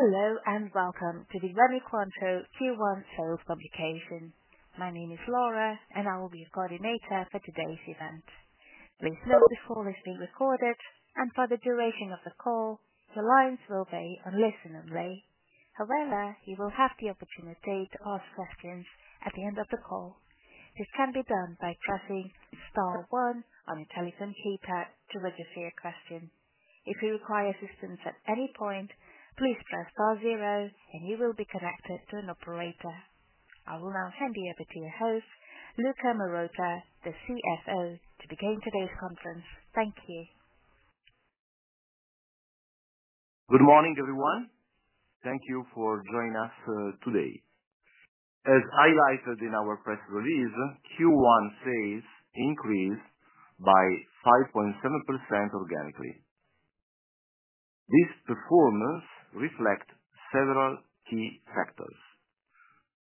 Hello, and welcome to the RemyQuanto q one sales communication. My name is Laura, and I will be your coordinator for today's event. Note this call is being recorded. And for the duration of the call, the lines will be on listen only. However, you will have the opportunity to ask questions at the end of the call. This can be done by pressing star one on your telephone keypad to register your I will now hand you over to your host, Luca Marotta, the CFO, to begin today's conference. Thank you. Good morning, everyone. Thank you for joining us today. As highlighted in our press release, Q1 sales increased by 5.7% organically. This performance reflect several key factors.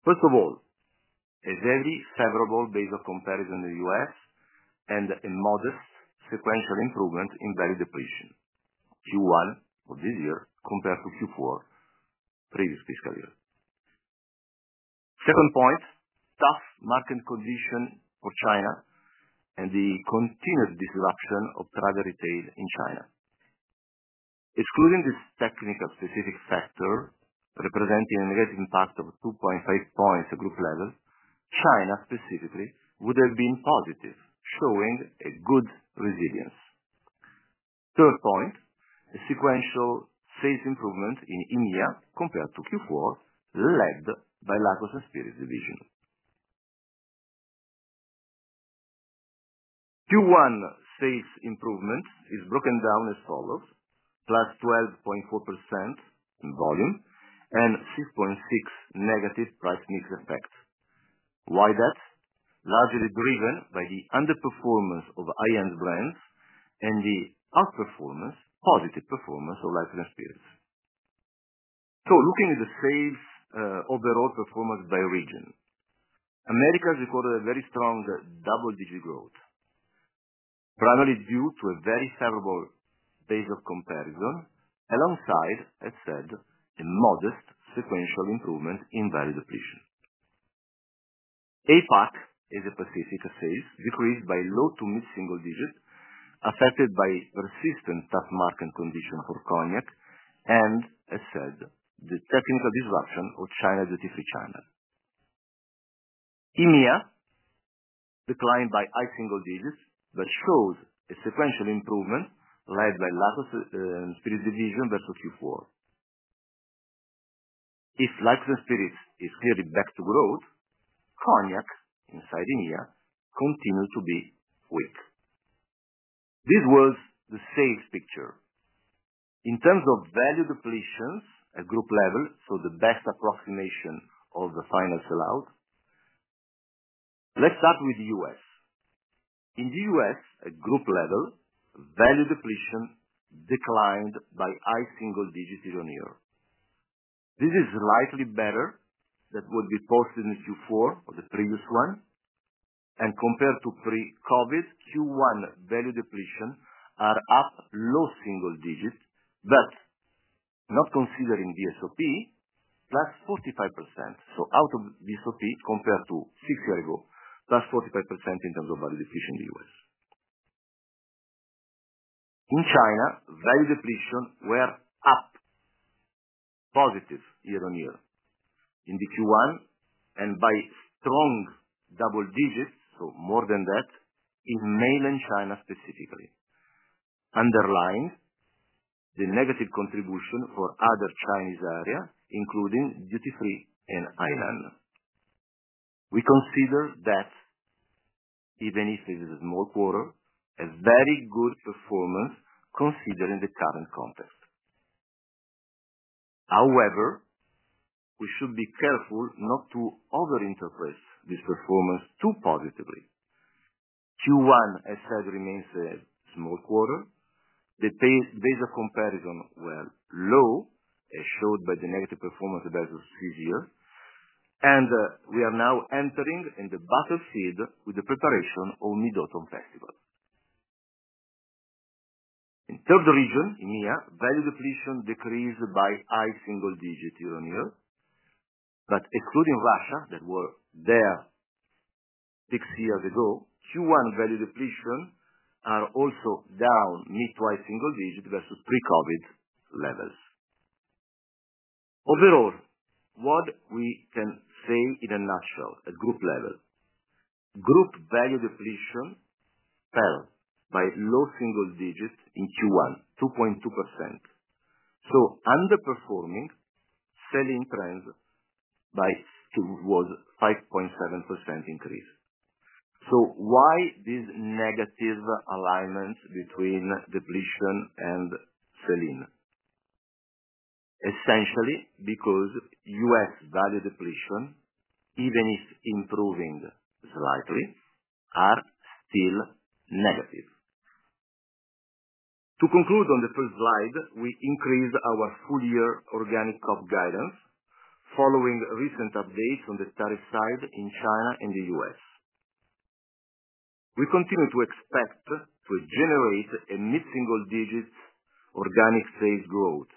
First of all, a very favorable base of comparison in The US and a modest sequential improvement in value depletion. Q one of this year compared to q four previous fiscal year. Second point, tough market condition for China and the continued disruption of private retail in China. Excluding this technical specific factor, representing a negative impact of 2.5 points at group level, China specifically would have been positive, showing a good resilience. Third point, the sequential sales improvement in India compared to q four led by Lackos and Spirits division. Q one sales improvement is broken down as follows, plus 12.4% in volume and 6.6 negative price mix effect. Why that? Largely driven by the underperformance of ION brands and the outperformance, positive performance of life and experience. So looking at the sales overall performance by region, America recorded a very strong double digit growth, primarily due to a very favorable base of comparison alongside, as said, a modest sequential improvement in value depletion. APAC Asia Pacific sales decreased by low to mid single digit affected by persistent tough market condition for cognac and, as said, the technical disruption of China, the different China. EMEA declined by high single digits, but showed a sequential improvement led by Life Spirit division versus q four. If life and spirits is clearly back to growth, cognac inside India continue to be weak. This was the safe picture. In terms of value depletions at group level, so the best approximation of the finance allowed, let's start with The US. In The US, at group level, value depletion declined by high single digit year on year. This is slightly better than what we posted in q four of the previous one. And compared to pre COVID, q one value depletion are up low single digit, but not considering the SOP, plus 45%. So out of the SOP compared to six year ago, plus 45% in terms of value depletion in US. In China, value depletion were up positive year on year in the q one and by strong double digits, so more than that, in Mainland China specifically. Underlying, the negative contribution for other Chinese area, including duty free and island. We consider that even if this is a small quarter, a very good performance considering the current context. However, we should be careful not to over interpret this performance too positively. Q one, as I said, remains a small quarter. The base base of comparison were low as showed by the negative performance of the business this year. And we are now entering in the battlefield with the preparation of Mid Autumn Festival. In third region, EMEA, value depletion decreased by high single digit year on year. But excluding Russia that were there six years ago, q one value depletion are also down mid to high single digit versus pre COVID levels. Overall, what we can say in a nutshell at group level, Group value depletion fell by low single digit in q one, two point two percent. So underperforming selling trends by was 5.7% increase. So why this negative alignment between depletion and sell in? Essentially, because US value depletion, even if improving slightly, are still negative. To conclude on the first slide, we increased our full year organic COP guidance following recent updates on the tariff side in China and The US. We continue to expect to generate a mid single digit organic sales growth,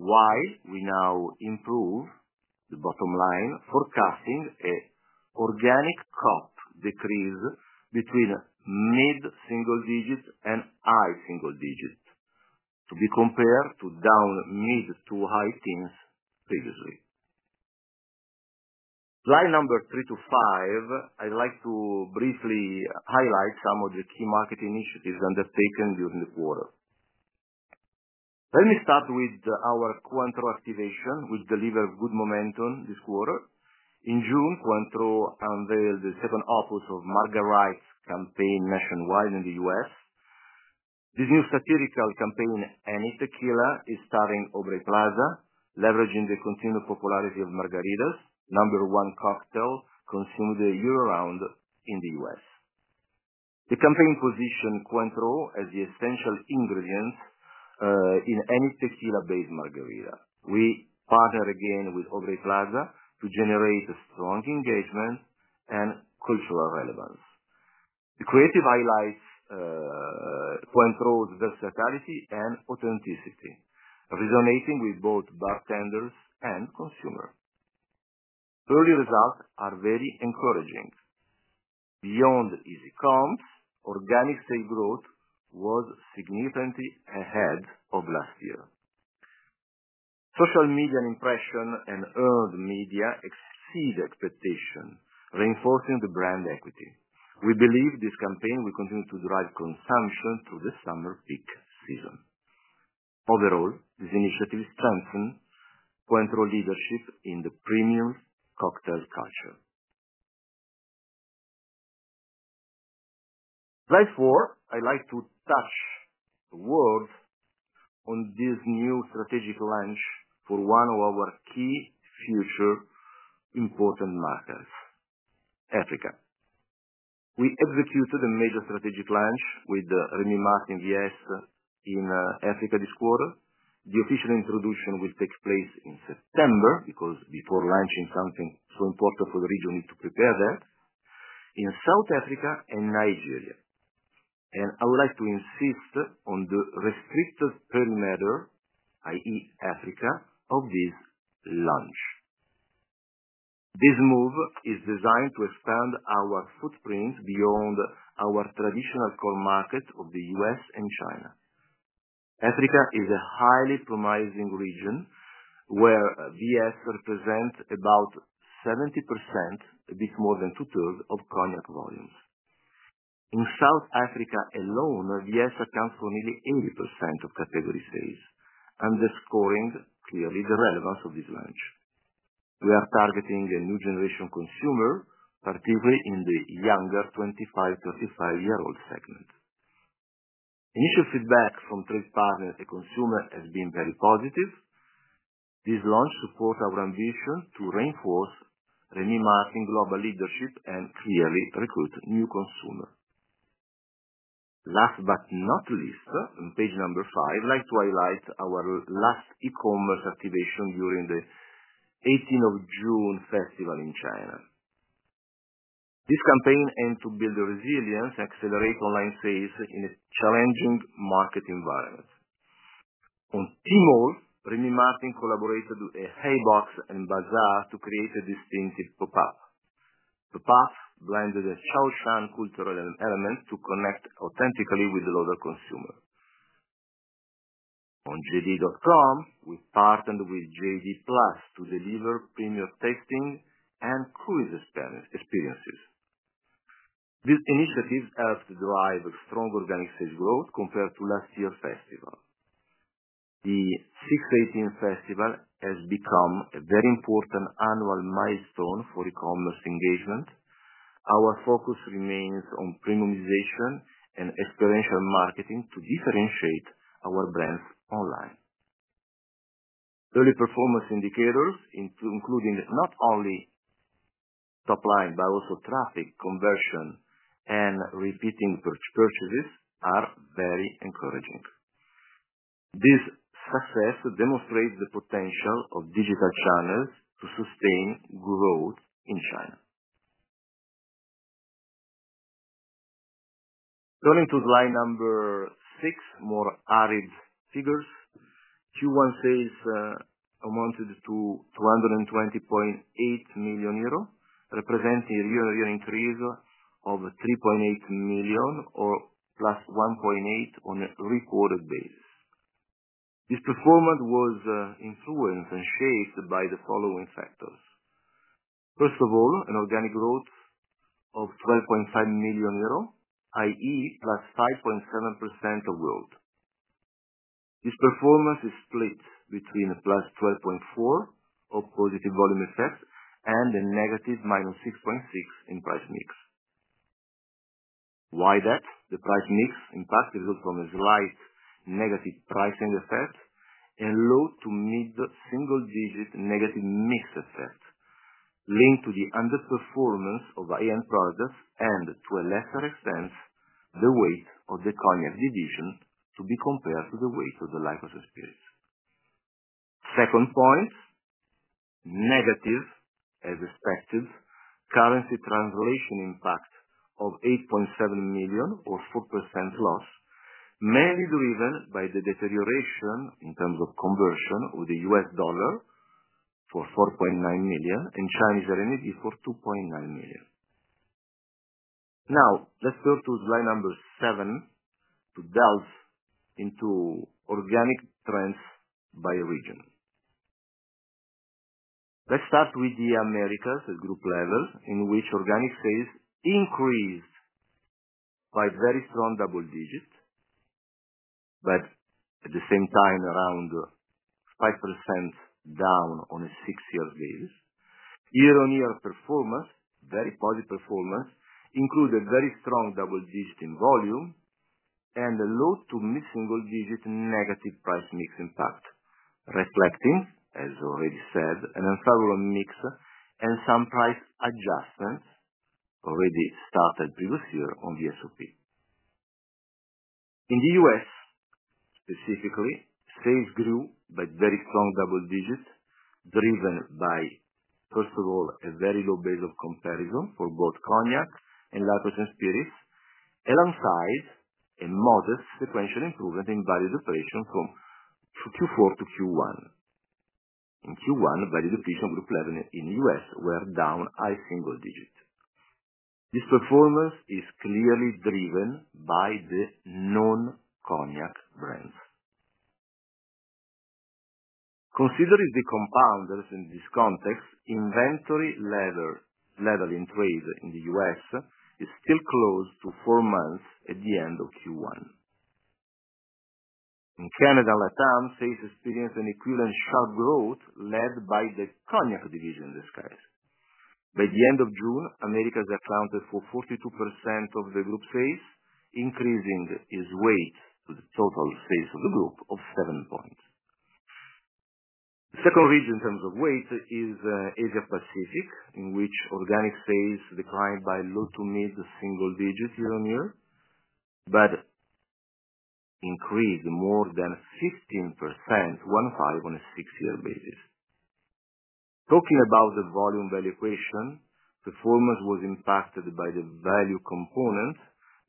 while we now improve the bottom line forecasting a organic COP decrease between mid single digit and high single digit to be compared to down mid to high teens previously. Slide number three to five, I'd like to briefly highlight some of the key market initiatives undertaken during the quarter. Let me start with our Cointreau activation, which delivered good momentum this quarter. In June, Cointreau unveiled the second office of Margarite's campaign nationwide in The US. This new satirical campaign, any tequila, is starting Obre Plaza, leveraging the continued popularity of Margaritas, number one cocktail consumed year round in The US. The company position Cointreau as the essential ingredients in any tequila based margarita. We partner again with Obre Plaza to generate a strong engagement and cultural relevance. The creative highlights point towards versatility and authenticity resonating with both bartenders and consumer. Early results are very encouraging. Beyond easy comps, organic sales growth was significantly ahead of last year. Social media impression and earned media exceed expectation, reinforcing the brand equity. We believe this campaign will continue to drive consumption through the summer peak season. Overall, this initiative strengthen Cointreau leadership in the premium cocktail culture. Slide four, I'd like to touch the word on this new strategic launch for one of our key future important markets, Africa. We executed a major strategic launch with Remy Marketing DS in Africa this quarter. The official introduction will take place in September because before launching something so important for the region, we need to prepare that in South Africa and Nigeria. And I would like to insist on the restricted perimeter, I e Africa, of this launch. This move is designed to expand our footprint beyond our traditional core markets of The US and China. Africa is a highly promising region where Versus represents about 70%, a bit more than two thirds of cognac volumes. In South Africa alone, VES accounts for nearly 80% of category sales, underscoring clearly the relevance of this launch. We are targeting a new generation consumer, particularly in the younger 25, 35 year old segment. Initial feedback from trade partner and consumer has been very positive. This launch supports our ambition to reinforce Remy Martin global leadership and clearly recruit new consumer. Last but not least, on page number five, I'd like to highlight our last ecommerce activation during the June 18 festival in China. This campaign aimed to build resilience, accelerate online sales in a challenging market environment. On Tmall, Remy Martin collaborated with a Haybox and Bazaar to create a distinctive pop up. The pop blended a Shaoshan cultural element to connect authentically with the local consumer. On jd.com, we partnered with JD Plus to deliver premium testing and cruise experience experiences. These initiatives have to drive strong organic sales growth compared to last year's festival. The six eighteen festival has become a very important annual milestone for ecommerce engagement. Our focus remains on premiumization and experiential marketing to differentiate our brands online. Early performance indicators including not only top line, but also traffic conversion and repeating perch purchases are very encouraging. This success demonstrates the potential of digital channels to sustain growth in China. Turning to slide number six, more added figures. Q1 sales amounted to €220,800,000 representing a year on year increase of €3,800,000 or plus 1,800,000.0 on a recorded basis. This performance was influenced and shaped by the following factors. First of all, an organic growth of €12,500,000, I. E, plus 5.7% of growth. This performance is split between a plus 12.4 of positive volume effect and a negative minus 6.6 in pricemix. Why that? The pricemix impact will look from a slight negative pricing effect and low to mid single digit negative mix effect linked to the underperformance of I n products and, to a lesser extent, the weight of the KONEF division to be compared to the weight of the life of the spirits. Second point, negative as expected currency translation impact of 8,700,000.0 or 4% loss, mainly driven by the deterioration in terms of conversion of the US dollar for 4,900,000.0 and Chinese renminbi for 2,900,000.0. Now let's go to slide number seven to delve into organic trends by region. Let's start with The Americas, the group level, in which organic sales increased by very strong double digit, but at the same time around 5% down on a six year basis. Year on year performance, very positive performance, included very strong double digit in volume and the low to mid single digit negative price mix impact reflecting, as already said, an unfavorable mix and some price adjustments already started previous year on the SOP. In The US, specifically, sales grew by very strong double digit driven by, first of all, a very low base of comparison for both cognac and lipos and spirits, alongside a modest sequential improvement in value separation from from q four to q one. In q one, value depletion group level in US were down high single digit. This performance is clearly driven by the non cognac brands. Considering the compounders in this context, inventory level level in trade in The US is still close to four months at the end of q one. In Canada, LATAM sales experienced an equivalent sharp growth led by the cognac division disguise. By the June, America accounted for 42% of the group sales, increasing its weight to the total sales of the group of seven points. Second region in terms of weight is Asia Pacific in which organic sales declined by low to mid single digit year on year, but increased more than 15%, one five, on a six year basis. Talking about the volume value equation, performance was impacted by the value component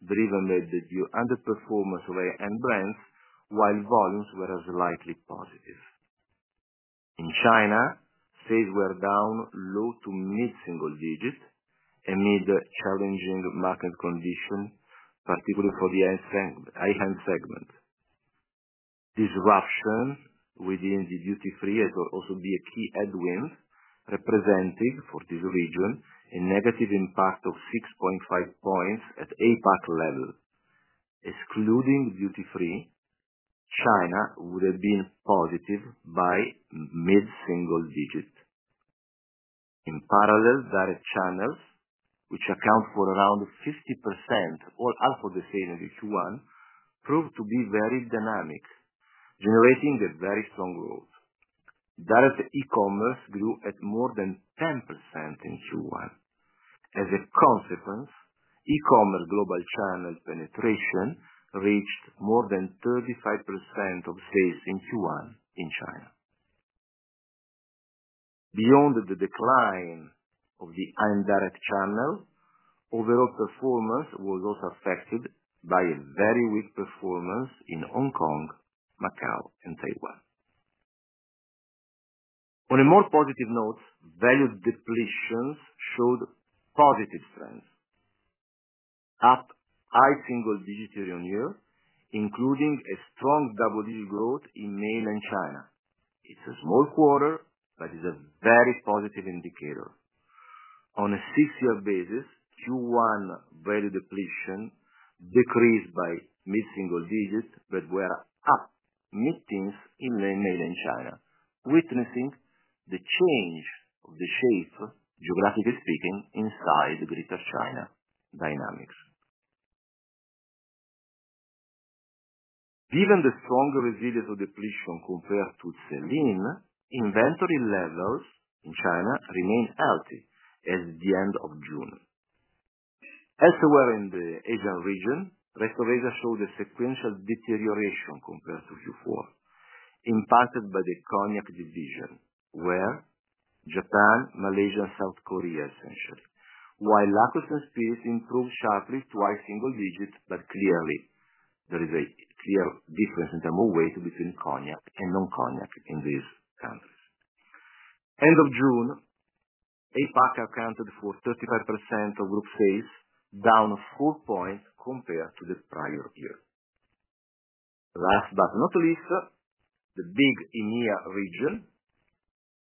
driven by the due underperformance of our end brands while volumes were slightly positive. In China, sales were down low to mid single digit amid challenging market condition, particularly for the I hand segment. Disruption within the duty free has also be a key headwind, representing for this region a negative impact of 6.5 points at APAC level. Excluding duty free, China would have been positive by mid single digit. In parallel, direct channels, which account for around 50 or half of the sale in each one, proved to be very dynamic, generating a very strong growth. Direct ecommerce grew at more than 10% in q one. As a consequence, ecommerce global channel penetration reached more than 35% of sales in q one in China. Beyond the decline of the indirect channel, overall performance was also affected by a very weak performance in Hong Kong, Macau, and Taiwan. On a more positive note, value depletions showed positive trends, up high single digit year on year, including a strong double digit growth in Mainland China. It's a small quarter, but it's a very positive indicator. On a six year basis, q one value depletion decreased by mid single digit, but were up mid teens in Mainland China, witnessing the change of the shape, geographically speaking, inside the Greater China dynamics. Given the stronger resilience of depletion compared to Celine, inventory levels in China remained healthy at the June. As we were in the Asian region, Recovaza showed a sequential deterioration compared to q four, impacted by the cognac division where Japan, Malaysia, Korea essentially. While lack of experience improved sharply twice single digits, but clearly, there is a clear difference in the more weight between cognac and non cognac in these countries. June, APAC accounted for 35% of group sales, down four points compared to the prior year. Last but not the least, big EMEA region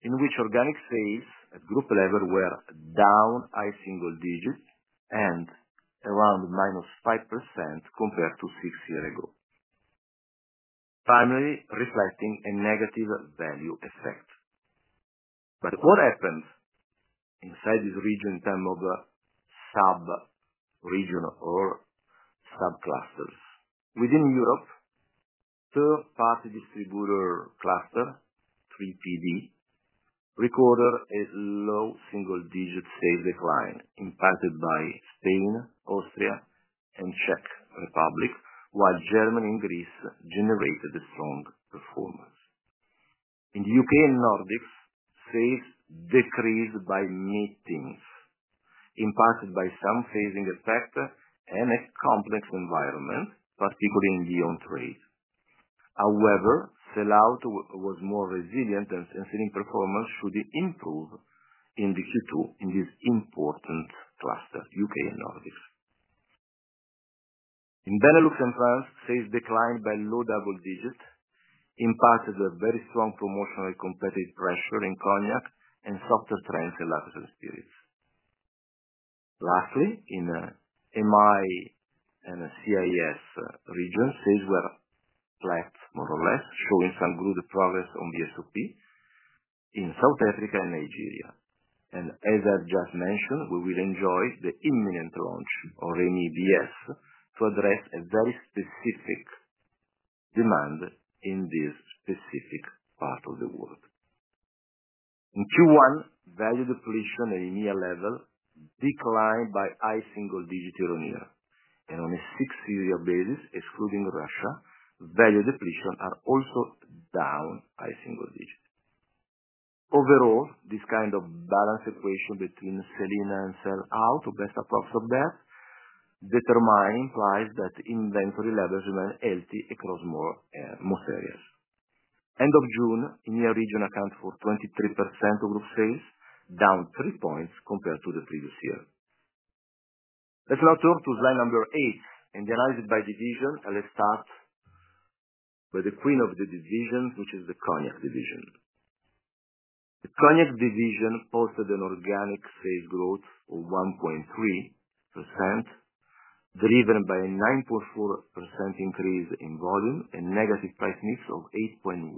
in which organic sales at group level were down high single digit and around minus 5% compared to six year ago, finally reflecting a negative value effect. But what happened inside this region in terms of subregional or subclusters within Europe, third party distributor cluster, three PD, recorded a low single digit sales decline impacted by Spain, Austria, and Czech Republic, while Germany and Greece generated a strong performance. In The UK and Nordics, sales decreased by meetings, impacted by some phasing effect and a complex environment, particularly in the on trade. However, sell out was more resilient and and selling performance should improve in the q two in this important cluster, UK and Nordics. In Benelux and France, sales declined by low double digit, impacted a very strong promotional competitive pressure in cognac and softer trends in lattice and spirits. Lastly, in MI and CIS regions, sales were flat more or less, showing some good progress on the SOP in South Africa and Nigeria. And as I've just mentioned, we will enjoy the imminent launch or in EBS to address a very specific demand in this specific part of the world. In q one, value depletion at EMEA level declined by high single digit year on year. And on a six year basis, excluding Russia, value depletion are also down high single digit. Overall, this kind of balance equation between sell in and sell out to best approx of that, determine price that inventory levels remain healthy across more more areas. June, EMEA Region account for 23% of group sales, down three points compared to the previous year. Let's now turn to slide number eight and analyze it by division, and let's start with the queen of the division, which is the Cognac division. The Cognac division posted an organic sales growth of 1.3%, driven by a 9.4% increase in volume and negative price mix of 8.1.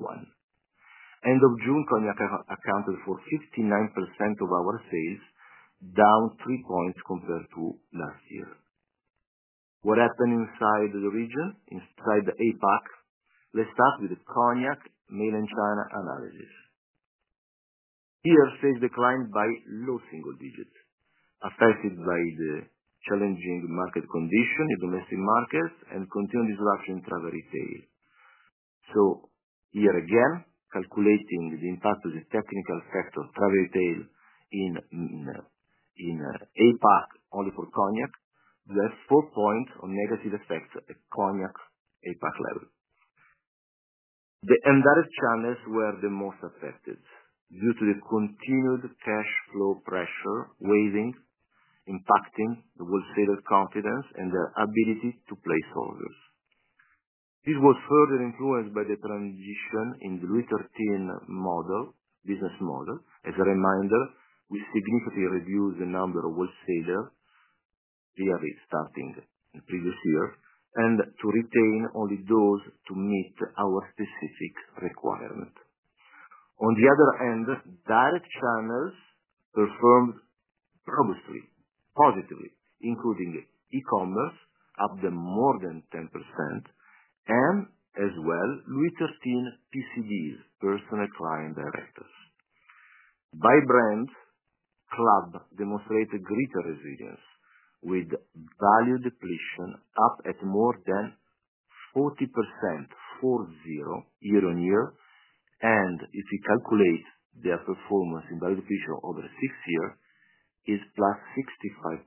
June, Konya accounted for 59% of our sales, down three points compared to last year. What happened inside the region, inside the APAC? Let's start with the Cognac, Mainland China analysis. Here, sales declined by low single digit, affected by the challenging market condition in domestic market and continued disruption in travel retail. So here again, calculating the impact of the technical effect of travel retail in in APAC only for cognac, the four points of negative effects at Cognac APAC level. The indirect channels were the most affected due to the continued cash flow pressure weighting, impacting the wholesaler confidence and the ability to place orders. This was further influenced by the transition in the retail team model business model. As a reminder, we significantly reduced the number of wholesaler We have it starting in previous year and to retain only those to meet our specific requirement. On the other hand, direct channels performed prominently positively, including ecommerce, up to more than 10%, and as well with the team PCBs, personal client directors. By brand, club demonstrated greater resilience with value depletion up at more than 40%, four zero, year on year. And if you calculate their performance in value depletion over six year, is plus 65%.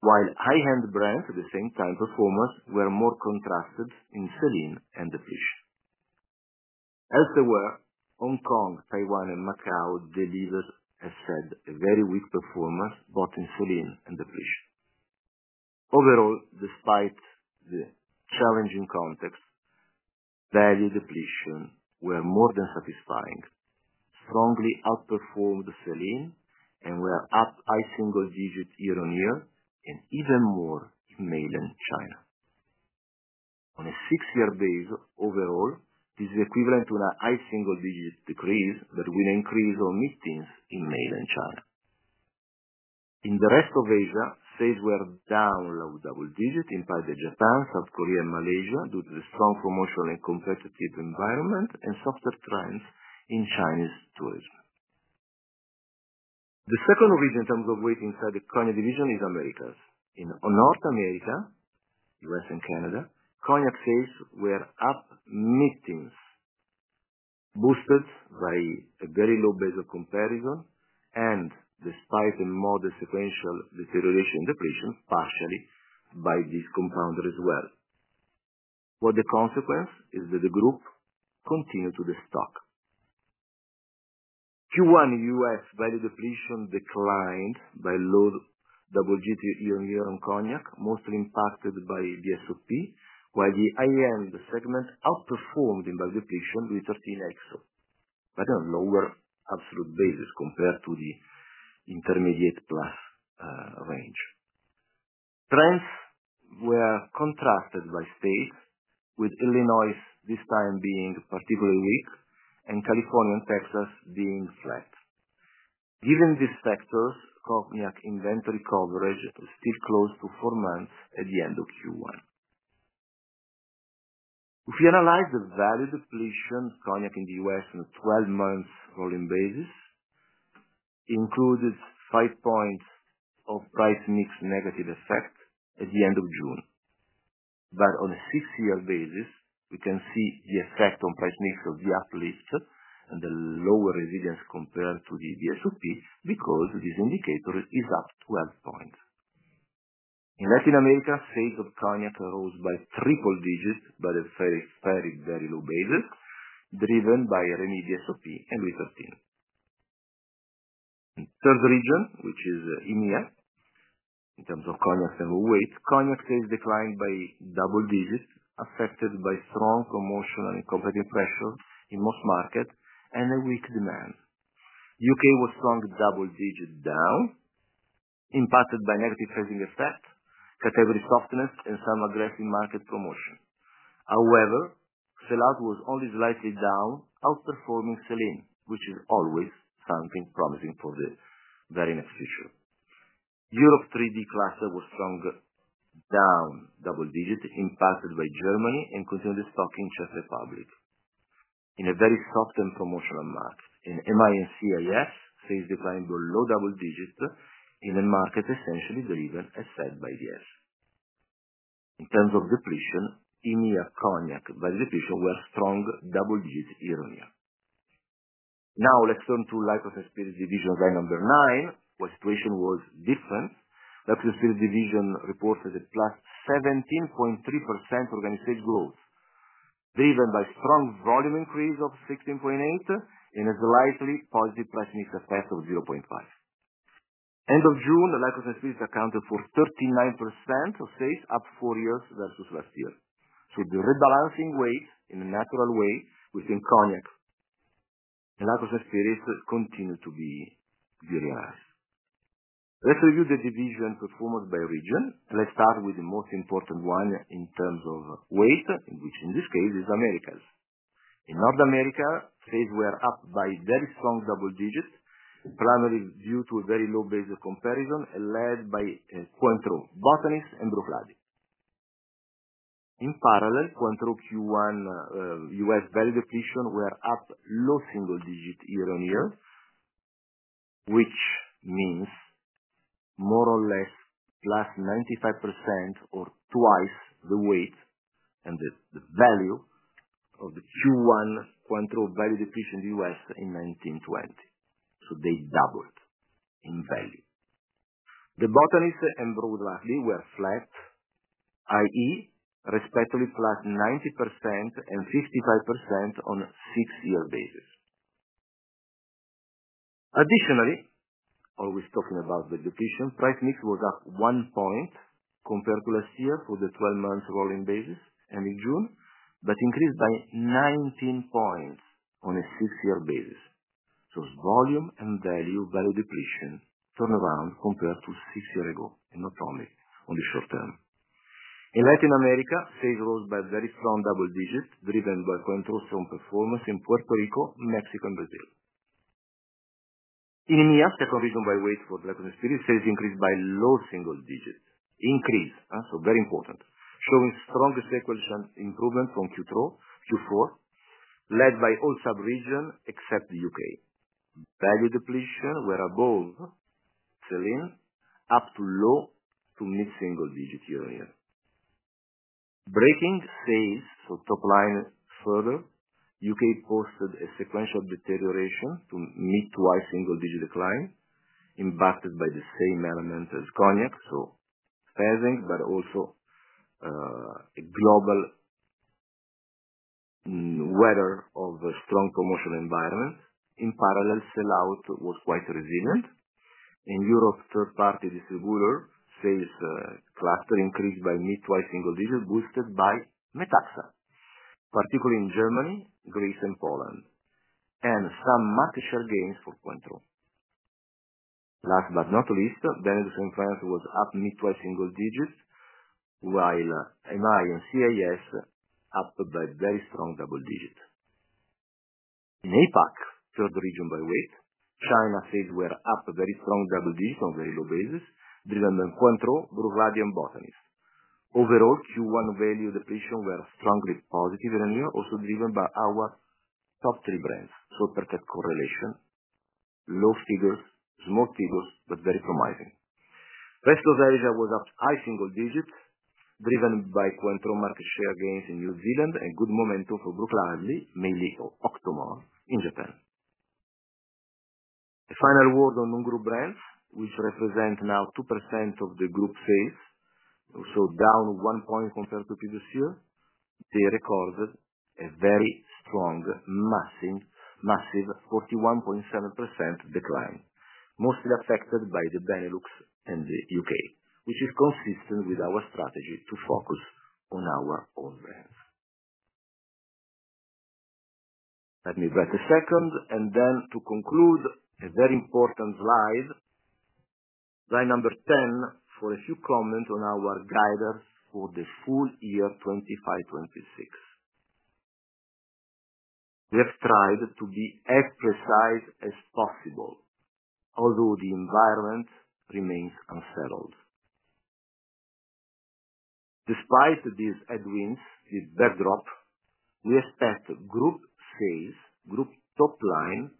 While high end brands at the same time performers were more contrasted in saline and depletion. As they were, Hong Kong, Taiwan, and Macau delivered a set of very weak performance both in saline and depletion. Overall, despite the challenging context, value depletion were more than satisfying, strongly outperformed the sell in, and were up high single digit year on year and even more in Mainland China. On a six year base overall, this is equivalent to a high single digit decrease that will increase our mid teens in Mainland China. In the rest of Asia, sales were down low double digit in part of Japan, South Korea, and Malaysia due to the strong promotional and competitive environment and softer trends in Chinese tourism. The second region in terms of waiting for the current division is Americas. In North America, US and Canada, cognac sales were up mid teens, boosted by a very low base of comparison and despite a more the sequential deterioration depletion partially by this compound as well. What the consequence is that the group continue to destock. Q one US value depletion declined by low double digit year on year on cognac, mostly impacted by the SOP, while the IAM segment outperformed in value depletion with 13 x o. But on lower absolute basis compared to the intermediate plus range. Trends were contrasted by state with Illinois this time being particularly weak and California and Texas being flat. Given these factors, cognac inventory coverage is still close to four months at the end of q one. If we analyze the value depletion cognac in The US in a twelve months rolling basis, included five points of price mix negative effect at the June. But on a six year basis, we can see the effect on price mix of the uplift and the lower resilience compared to the the SOP because this indicator is up 12 points. In Latin America, sales of cognac rose by triple digit, but it's very, very, very low basis driven by Remedi ESOP and lithotine. Third region, which is EMEA, in terms of cognac and weight, cognac sales declined by double digit affected by strong promotional and competitive pressure in most market and a weak demand. UK was strong double digit down, impacted by negative trading effect, category softness, and some aggressive market promotion. However, sellout was only slightly down, outperforming sell in, which is always something promising for the very next future. Europe three d cluster was stronger, down double digit impacted by Germany and continued stocking Czech Republic in a very soft and promotional mark. In MI and CIS, sales declined below double digit in a market essentially delivered as said by The US. In terms of depletion, EMEA cognac by the division were strong double digit year on year. Now let's turn to Life of Experiences division line number nine, where situation was different. Life of Expert division reported a plus 17.3% organic sales growth, driven by strong volume increase of 16.8 and a slightly positive price mix effect of 0.5. June, the Lycos and Spirits accounted for 39% of sales up four years versus last year. So the rebalancing weight in a natural way within Cognac and Lycos and Spirits continue to be very nice. Let's review the division performance by region. Let's start with the most important one in terms of weight, which in this case is Americas. In North America, trade were up by very strong double digit, primarily due to a very low base of comparison led by Cointreau, Botanist and Brufladdi. In parallel, Cointreau q one US value depletion were up low single digit year on year, which means more or less plus 95% or twice the weight and the the value of the q one control value depletion in US in 1920. So they doubled in value. The bottom is the embroiled roughly were flat, I e, respectively flat 9055% on six year basis. Additionally, always talking about the depletion, price mix was up one point compared to last year for the twelve months rolling basis ending June, but increased by 19 points on a six year basis. So volume and value value depletion turnaround compared to six year ago in autonomy on the short term. In Latin America, sales rose by very strong double digit driven by going through some performance in Puerto Rico, Mexico, and Brazil. In EMEA, the provision by weight for Blackmon Spirit sales increased by low single digit. Increase. So very important. Showing strong sequential improvement from q two q four led by all subregion except The UK. Value depletion were above selling up to low to mid single digit year on year. Breaking sales for top line further, UK posted a sequential deterioration to mid to high single digit decline impacted by the same element as cognac. So phasing, but also a global weather of a strong promotional environment. In parallel, sell out was quite resilient. In Europe, third party distributor sales cluster increased by mid twice single digit boosted by Metaxa, particularly in Germany, Greece, and Poland, and some market share gains for Cointreau. Last but not least, Benelux and France was up mid twice single digit, while NII and CAS up by very strong double digit. In APAC, third region by weight, China sales were up a very strong double digit on very low basis, driven in Cointreau, Brovadian, Botanist. Overall, q one value depletion were strongly positive in EMEA, also driven by our top three brands. So protect correlation, low figures, small figures, but very promising. Presto's area was up high single digit driven by Cointreau market share gains in New Zealand and good momentum for Brookline, mainly for Octomore in Japan. The final word on non group brands, which represent now 2% of the group sales, so down one point compared to previous year, they recorded a very strong, massive massive 41.7% decline, mostly affected by the Benelux in The UK, which is consistent with our strategy to focus on our own brands. Let me wait a second and then to conclude a very important slide, slide number 10 for a few comments on our guidance for the full year 2526. We have tried to be as precise as possible, although the environment remains unsettled. Despite these headwinds, the backdrop, we expect group sales, group top line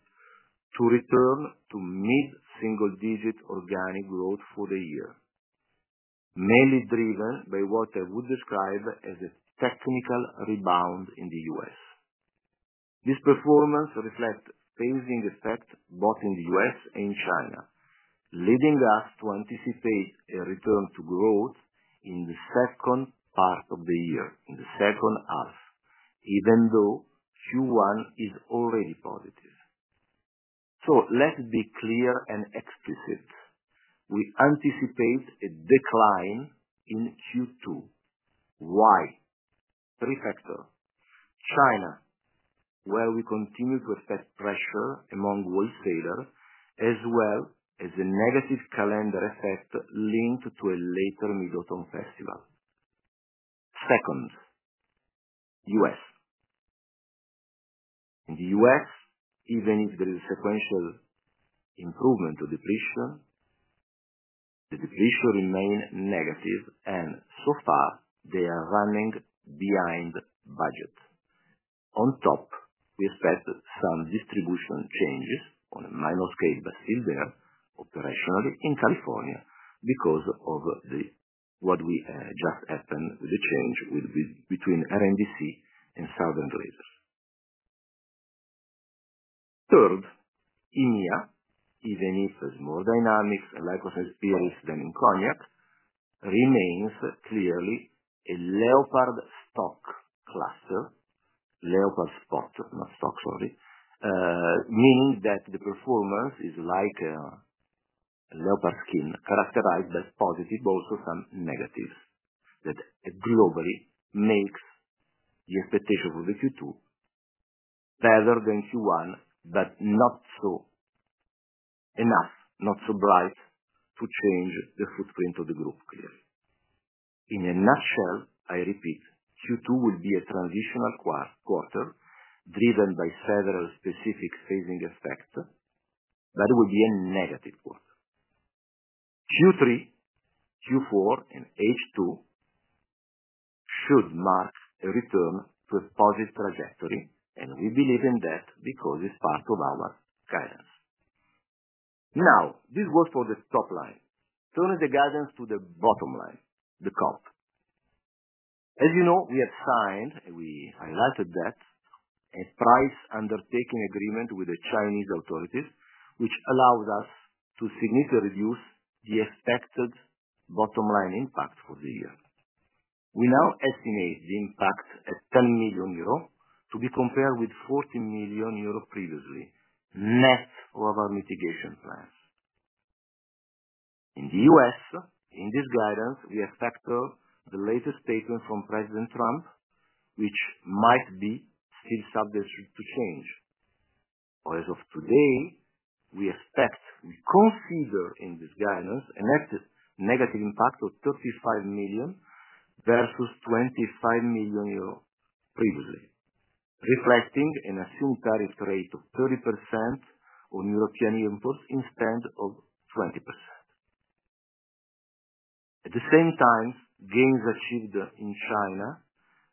to return to mid single digit organic growth for the year, mainly driven by what I would describe as a technical rebound in The US. This performance reflect phasing effect both in The US and China, leading us to anticipate a return to growth in the second part of the year, in the second half, even though q one is already positive. So let's be clear and explicit. We anticipate a decline in q two. Why? Three factor. China, where we continue to expect pressure among wholesaler as well as a negative calendar effect linked to a later Mid Autumn Festival. Second, US. In The US, even if there is sequential improvement to depletion, the depletion remain negative. And so far, they are running behind budget. On top, we expect some distribution changes on a minor scale, but still there operationally in California because of the what we just happened with the change with with between RNDC and Southern Glazers. Third, EMEA, even if there's more dynamics, like I said, peers than in Cognac, remains clearly a Leopard stock cluster. Leopard stock not stock. Sorry. Meaning that the performance is like low pass scheme, characterized as positive, also some negatives that globally makes the expectation for the q two better than q one, but not so enough, not so bright to change the footprint of the group. In a nutshell, I repeat, q two would be a transitional quarter driven by several specific phasing effect that would be a negative one. Q three, q four, and h two should mark a return with positive trajectory, and we believe in that because it's part of our guidance. Now this was for the top line. Turning the guidance to the bottom line, the comp. As you know, we have signed, we highlighted that, a price undertaking agreement with the Chinese authorities, which allows us to significantly reduce the expected bottom line impact for the year. We now estimate the impact at €10,000,000 to be compared with €40,000,000 previously, net of our mitigation plans. In The US, in this guidance, we expect the the latest statement from president Trump, which might be still subject to change. Or as of today, we expect we consider in this guidance an active negative impact of 35,000,000 versus €25,000,000 previously, reflecting an assumed tariff rate of 30% on European imports instead of 20%. At the same time, gains achieved in China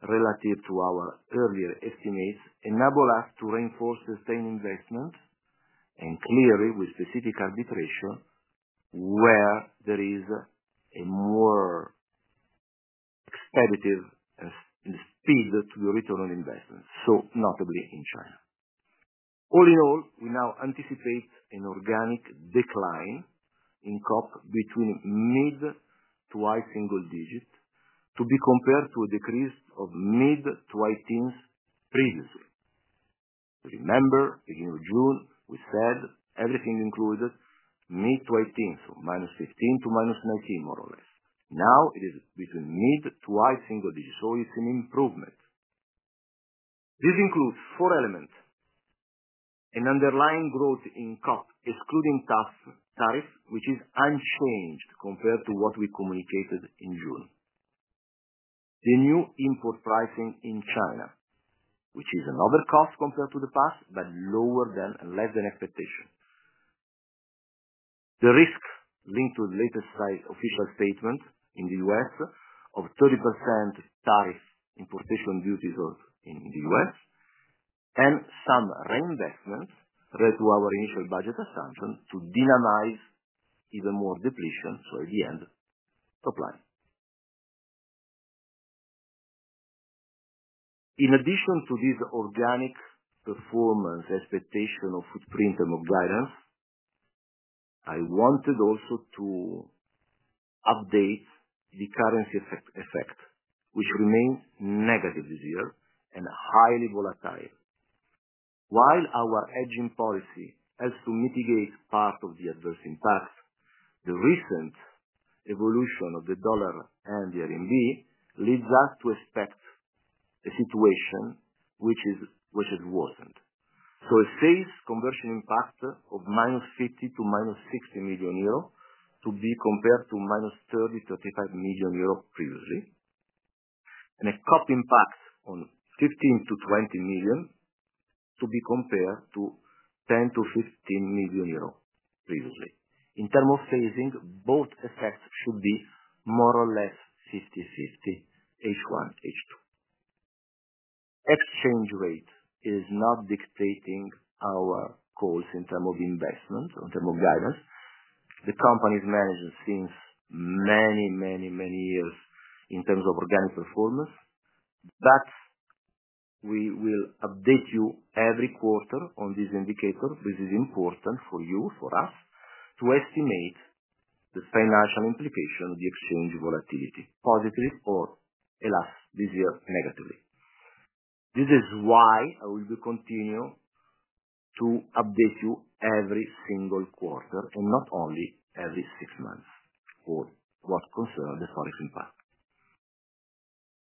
relative to our earlier estimates enable us to reinforce sustained investments and clearly with specific arbitration where there is a more competitive and speed to the return on investment, so notably in China. All in all, we now anticipate an organic decline in COP between mid to high single digit to be compared to a decrease of mid to high teens previously. Remember, June, we said everything included mid to high teens, minus 15 to minus 19 more or less. Now it is between mid to high single digit, so it's an improvement. This includes four elements. An underlying growth in COP excluding tough tariff, which is unchanged compared to what we communicated in June. The new import pricing in China, which is another cost compared to the past, but lower than and less than expectation. The risk linked to latest site official statement in The US of 30% type in position duties of in The US, and some reinvestments led to our initial budget assumption to minimize even more depletion, so at the end, supply. In addition to this organic performance expectation of footprint and of guidance, I wanted also to update the currency effect effect, which remains negative this year and highly volatile. While our hedging policy has to mitigate part of the adverse impact, the recent evolution of the dollar and the RMB leads us to expect a situation which is which it wasn't. So it says conversion impact of minus 50 to minus €60,000,000 to be compared to minus 30, €35,000,000 previously, and a cut impact on 15 to 20,000,000 to be compared to 10 to €15,000,000 previously. In term of phasing, both effects should be more or less fifty fifty h one, h two. Exchange rate is not dictating our calls in term of investment, in term of guidance. The company's management seems many, many, many years in terms of organic performance. But we will update you every quarter on this indicator. This is important for you, for us, to estimate the financial implication, the exchange volatility, positive or less this year negatively. This is why I will be continue to update you every single quarter and not only every six months for what concern the ForEx impact.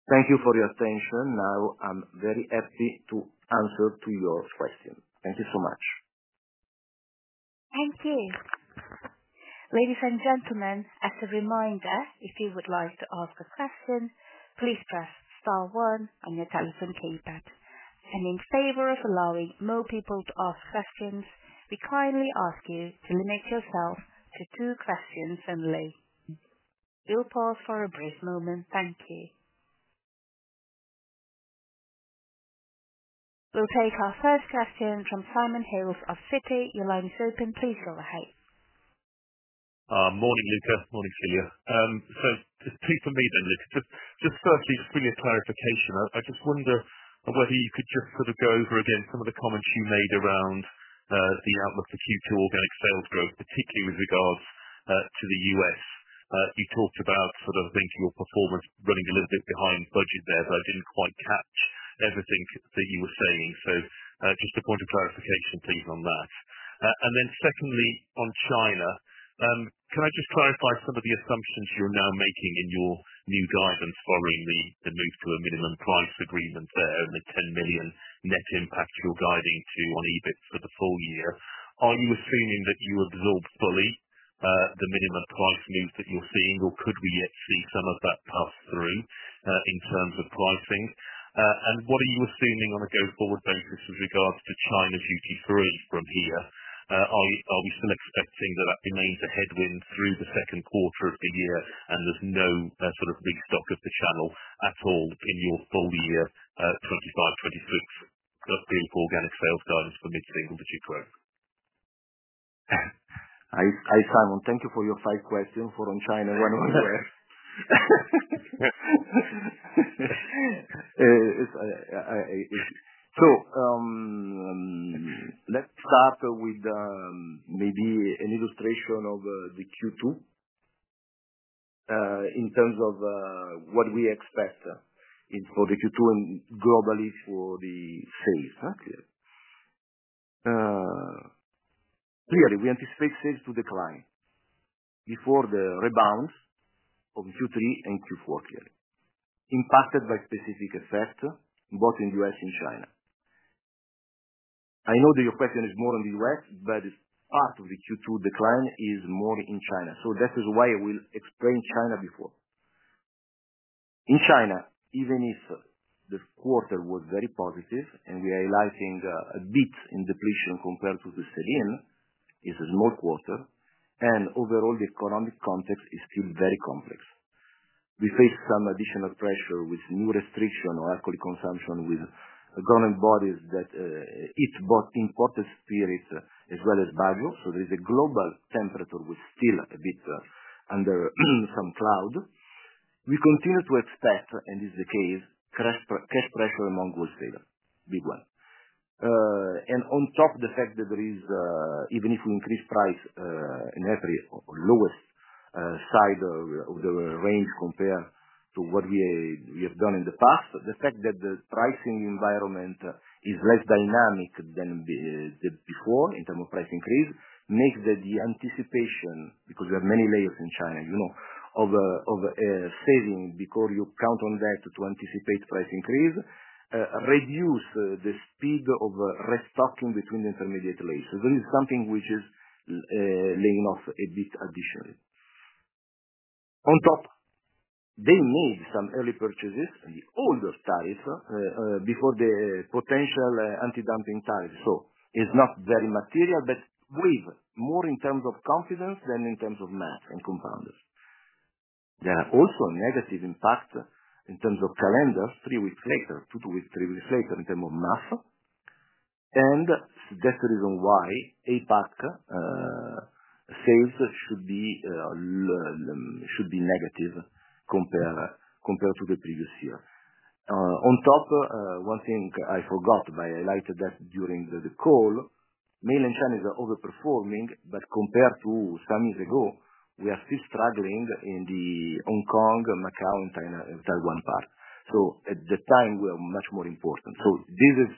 Thank you for your attention. Now I'm very happy to answer to your question. Thank you so much. Thank you. Ladies and gentlemen, as a reminder, if you would like to ask a question, please press star one on your telephone keypad. And in favor of allowing more people to ask questions, we kindly ask you to limit yourself to two questions only. You'll pause for a brief moment. Thank you. We'll take our first question from Simon Hales of Citi. Your line is open. Please go ahead. Morning, Luca. Morning, Celia. So just two for me then, Luca. Just firstly, just for your clarification. I I just wonder whether you could just sort of go over again some of the comments you made around the outlook for q two organic sales growth, particularly with regards to The US. You talked about sort of thinking your performance running a little bit behind budget there, but I didn't quite catch everything that you were saying. So just a point of clarification, please, on that. And then secondly, on China, can I just clarify some of the assumptions you're now making in your new guidance following the the move to a minimum price agreement there and the 10,000,000 net impact you're guiding to on EBIT for the full year? Are you assuming that you absorbed fully the minimum price move that you're seeing, or could we yet see some of that pass through in terms of pricing? And what are you assuming on a go forward basis with regards to China duty free from here? Are you are we still expecting that that remains a headwind through the second quarter of the year and there's no sort of restock of the channel at all in your full year 2526, that's the organic sales guidance for mid single digit growth? Hi. Hi, Simon. Thank you for your five questions for on China one on one. It's I I so let's start with maybe an illustration of the q two in terms of what we expect in for the q two and globally for the sales. Clearly, we anticipate sales to decline before the rebound of q three and q four here, impacted by specific effect both in US and China. I know that your question is more on The US, but it's part of the q two decline is more in China. So that is why I will explain China before. In China, even if this quarter was very positive and we are highlighting a bit in depletion compared to the sell in, it's a small quarter. And overall, the economic context is still very complex. We face some additional pressure with new restriction or alcohol consumption with a government bodies that it's both imported spirits as well as value. So there's a global temperature with still a bit under some cloud. We continue to expect, and is the case, cash cash pressure among wholesaler, big one. And on top of the fact that there is even if we increase price in every lowest side of of the range compared to what we we have done in the past, the fact that the pricing environment is less dynamic than the the before in terms of price increase makes that the anticipation because we have many layers in China, you know, of of saving before you count on that to to anticipate price increase, reduce speed of restocking between the intermediate layers. So there is something which is laying off a bit additionally. On top, they need some early purchases in the older tires before the potential antidumping tires. So it's not very material, but with more in terms of confidence than in terms of math and compounders. There are also negative impact in terms of calendar three weeks later, two to three weeks later in term of math. And that's the reason why APAC sales should be should be negative compare compare to the previous year. On top, one thing I forgot by I like that during the the call, Mainland China is over performing, but compared to some years ago, we are still struggling in the Hong Kong, Macau, and China and Taiwan part. So at the time, we are much more important. So this is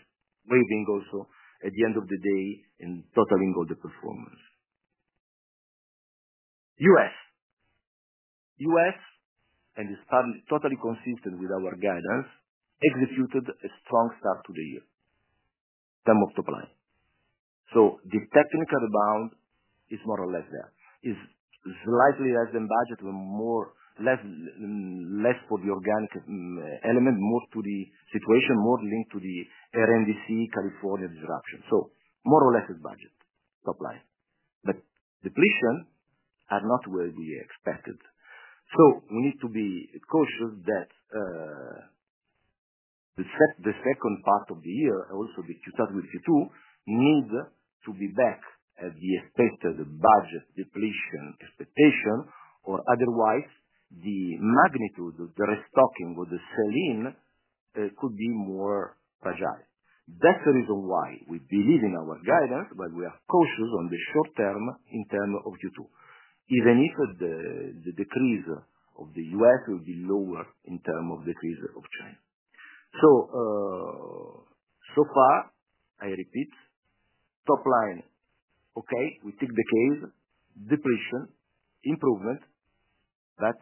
waiting also at the end of the day in totalling all the performance. US. US and the Spanish totally consistent with our guidance executed a strong start to the year, some of the plan. So the technical rebound is more or less there. It's slightly less than budget, more less less for the organic element, more to the situation, more linked to the air and DC California disruption. So more or less is budget top line. But depletion are not where we expected. So we need to be cautious that the set the second part of the year, also the 02/1952, need to be back at the expected budget depletion expectation or otherwise, the magnitude of the restocking with the sell in could be more agile. That's the reason why we believe in our guidance, but we are cautious on the short term in term of q two. Even if the the decrease of The US will be lower in term of decrease of China. So so far, I repeat, top line. Okay. We take the case, depletion, improvement, but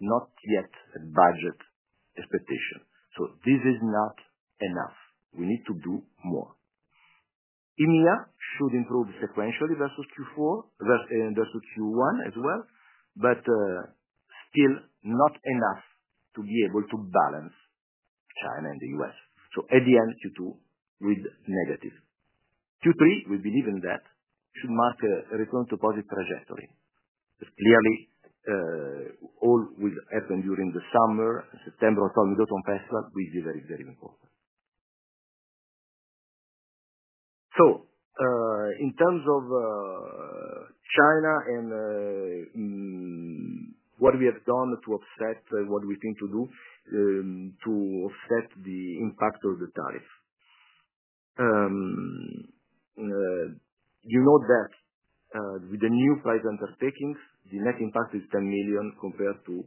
not yet a budget expectation. So this is not enough. We need to do more. EMEA should improve sequentially versus q four versus and this is q one as well, but still not enough to be able to balance China and The US. So at the end, q two with negative. Q three, we believe in that, should mark a return to positive trajectory. Clearly, all will happen during the summer, September, October, some past month will be very, very important. So in terms of China and what we have done to offset what we think to do to offset the impact of the tariff. You know that with the new price undertakings, the net impact is 10,000,000 compared to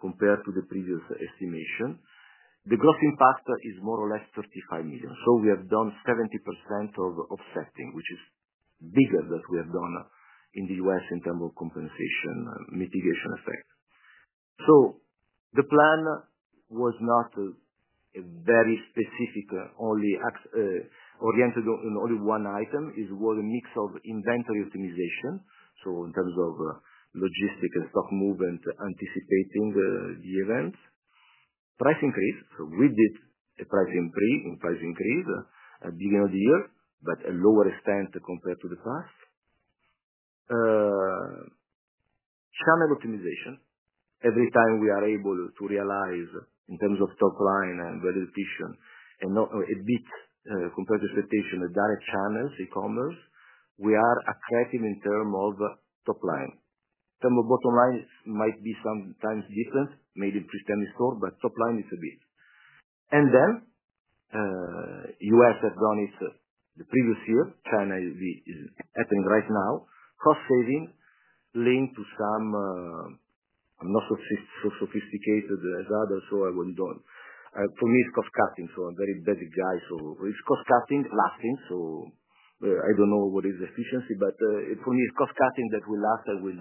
compared to the previous estimation. The gross impact is more or less 55,000,000. So we have done 70% of offsetting, which is bigger that we have done in The US in terms of compensation mitigation effect. So the plan was not a very specific, only axe oriented in only one item. It was a mix of inventory optimization. So in terms of logistic and stock movement anticipating the the events. Price increase, we did a price increase in price increase at the end of the year, but a lower extent compared to the past. Channel optimization. Every time we are able to realize in terms of top line and better efficient and not a bit compared to expectation of direct channels, ecommerce, We are a cracking in term of top line. Some of bottom line might be sometimes different, maybe pre semi store, but top line is a bit. And then US has done it the previous year. China is the is happening right now. Cost saving linked to some I'm not so so sophisticated as others, so I wouldn't do it. For me, it's cost cutting. So I'm very busy guy. So it's cost cutting, lasting. So I don't know what is efficiency, but it's only cost cutting that will last and will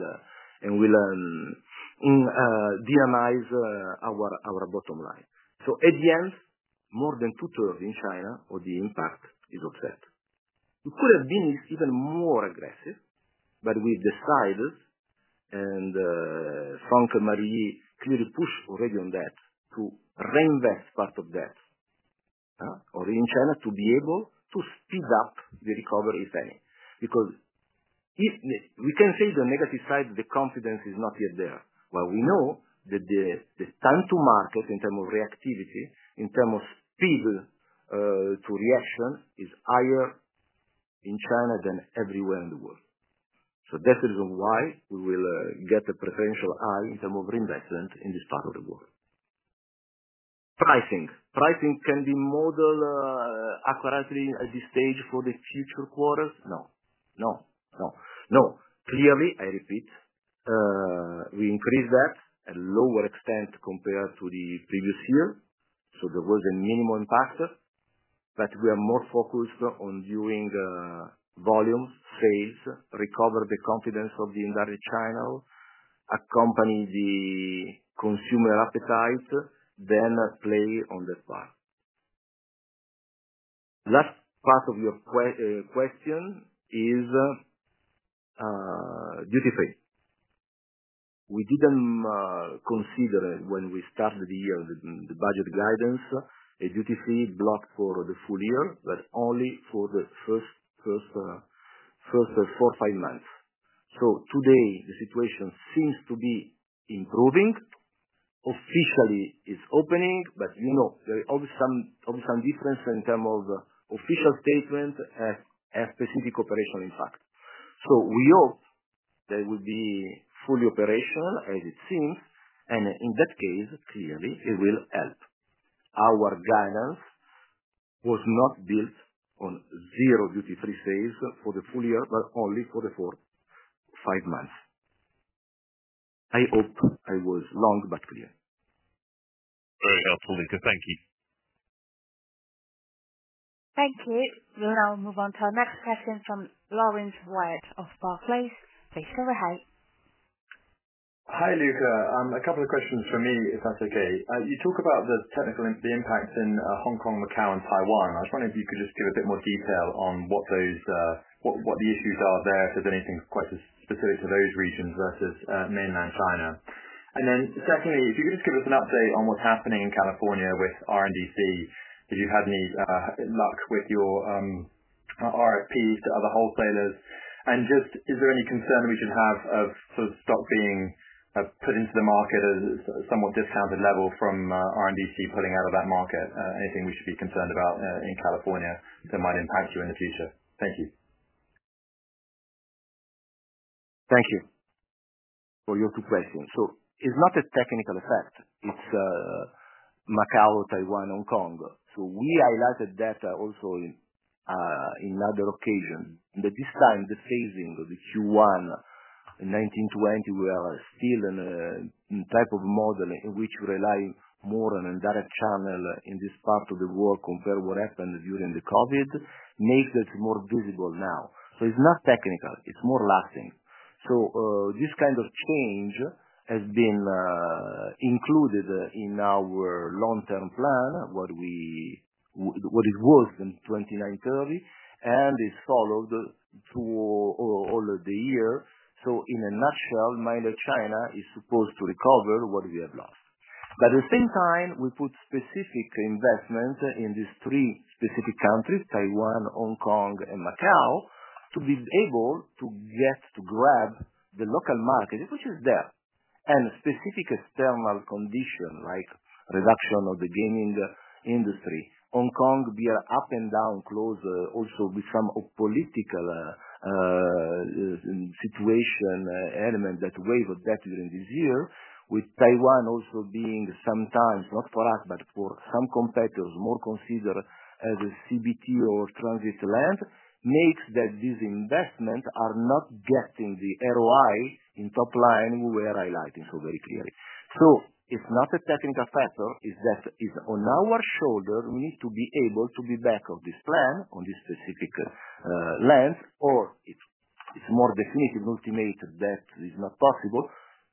and will DNIs our our bottom line. So at the end, more than two thirds in China or the impact is upset. It could have been even more aggressive, but we decided and Francois Marie clearly pushed already on that to reinvest part of that. Already in China to be able to speed up the recovery, if any. Because if we can say the negative side, the confidence is not yet there. Well, we know that the the time to market in term of reactivity, in term of speed to reaction is higher in China than everywhere in the world. So that's the reason why we will get the preferential eye in term of reinvestment in this part of the world. Pricing. Pricing can be model accurately at this stage for the future quarters. No. No. No. No. Clearly, I repeat, we increased that at lower extent compared to the previous year. So there was a minimum factor, but we are more focused on viewing the volume, sales, recover the confidence of the indirect channel, accompany the consumer appetite, then play on the spot. Last part of your question is duty free. We didn't consider it when we started the year, the the budget guidance, a duty free block for the full year, but only for the first first first four, five months. So today, the situation seems to be improving. Officially, it's opening, but, you know, there are some some some difference in terms of official statement at Pacific Corporation, in fact. So we hope that it would be fully operational as it seems. And in that case, clearly, it will help. Our guidance was not built on zero duty free sales for the full year, but only for the fourth five months. I hope I was long but clear. Very helpful, Luca. Thank you. Thank you. We'll now move on to our next question from Lawrence White of Barclays. Please go ahead. Hi, Luca. A couple of questions for me, if that's okay. You talked about the technical impact in Hong Kong, Macau, and Taiwan. I was wondering if you could just give a bit more detail on what those what what the issues are there, if there's anything quite as specific to those regions versus Mainland China. And then, secondly, if you could just give us an update on what's happening in California with r and d c. Did you have any luck with your RFPs to other wholesalers? And just is there any concern we should have of sort of stop being put into the market as somewhat discounted level from R and D team pulling out of that market? Anything we should be concerned about in California that might impact you in the future? Thank you. Thank you for your two questions. So it's not a technical effect. It's Macau, Taiwan, Hong Kong. So we highlighted that also in other occasion. But this time, the phasing of the q one nineteen twenty, we are still in a type of model in which we rely more on a direct channel in this part of the world compared what happened during the COVID, makes it more visible now. So it's not technical. It's more lasting. So this kind of change has been included in our long term plan, what we what it was in 2930, and it's followed to all of the year. So in a nutshell, minor China is supposed to recover what we have lost. But at the same time, we put specific investments in these three specific countries, Taiwan, Hong Kong, and Macau, to be able to get to grab the local market, which is there, and specific external condition, like reduction of the gaming industry. Hong Kong, we are up and down closer also with some of political situation element that wave of that during this year with Taiwan also being sometimes, not for us, but for some competitors, more consider as a CBT or transit land, makes that these investments are not getting the ROI in top line we were highlighting so very clearly. So it's not affecting the factor. It's that it's on our shoulder. We need to be able to be back of this plan on this specific land or it's it's more definitive ultimates that is not possible.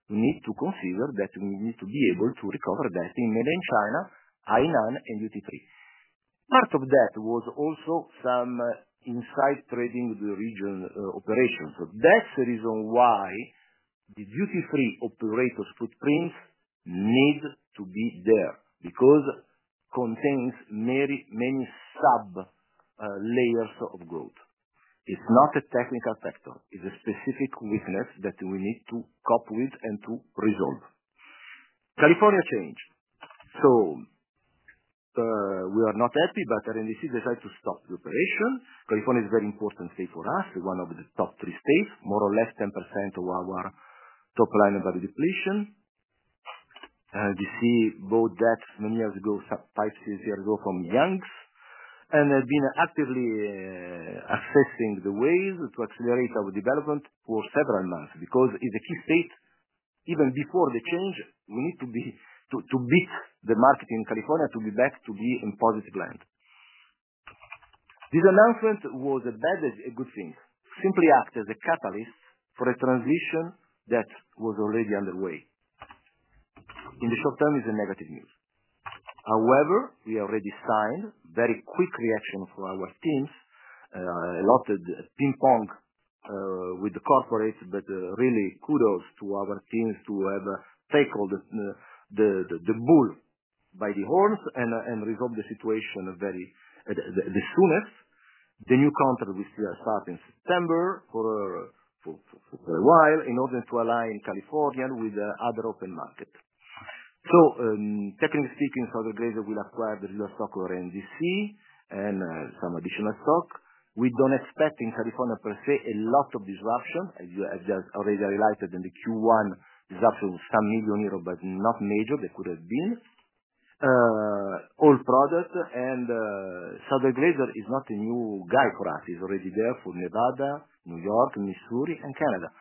We need to consider that we need to be able to recover that in Mainland China, I 9 and duty free. Part of that was also some inside trading with the region operations. So that's the reason why the duty free operators footprint needs to be there because contains many many sub layers of growth. It's not a technical sector. It's a specific weakness that we need to cope with and to resolve. California changed. So we are not happy, R and D, decided to stop the operation. California is very important state for us. We're one of the top three states, more or less 10% of our top line of value depletion. You see both debts many years ago, sub five, six years ago from Young's. And they've been actively assessing the ways to accelerate our development for several months because in the key state, even before the change, we need to be to to beat the market in California to be back to be in positive land. This announcement was a bad good thing. Simply act as a catalyst for a transition that was already underway. In the short term, it's a negative news. However, we already signed very quick reaction from our teams, a lot of the ping pong with the corporates, but really kudos to our teams to have a take all the the the the bull by the horns and and resolve the situation very the the soonest, the new contract will start in September for for for for a while in order to align California with the other open market. So, technically speaking, for the greater we'll acquire the real stock or NDC and some additional stock. We don't expect in California per se a lot of disruption as you as just already highlighted in the q one disruption was some million euro, but not major. They could have been old products and Southern Glazer is not a new guy for us. He's already there for Nevada, New York, Missouri, and Canada.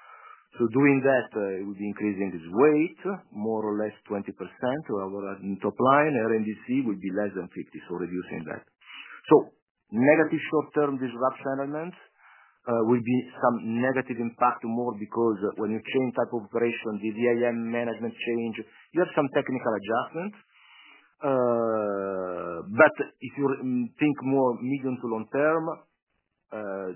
So doing that, it would be increasing its weight more or less 20% to our top line. RMDC would be less than 50, so reducing that. So negative short term disruption element will be some negative impact more because when you change type of operation, the DIM management change, you have some technical adjustment. But if you think more medium to long term,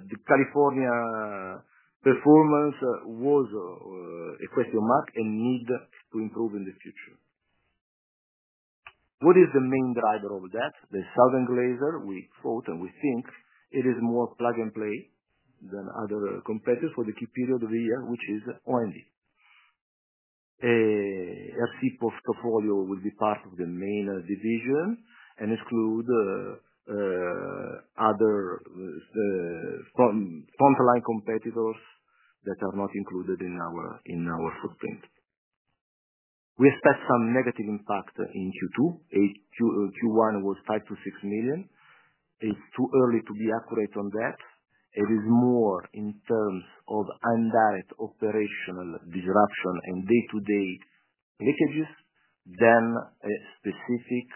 the California performance was a question mark and need to improve in the future. What is the main driver of that? The Southern Glaser, we thought and we think it is more plug and play than other competitors for the key period of the year, which is O and D. FC portfolio will be part of the main division and exclude other the front front line competitors that are not included in our in our footprint. We expect some negative impact in q two. A q q one was five to 6,000,000. It's too early to be accurate on that. It is more in terms of indirect operational disruption and day to day leakages than a specific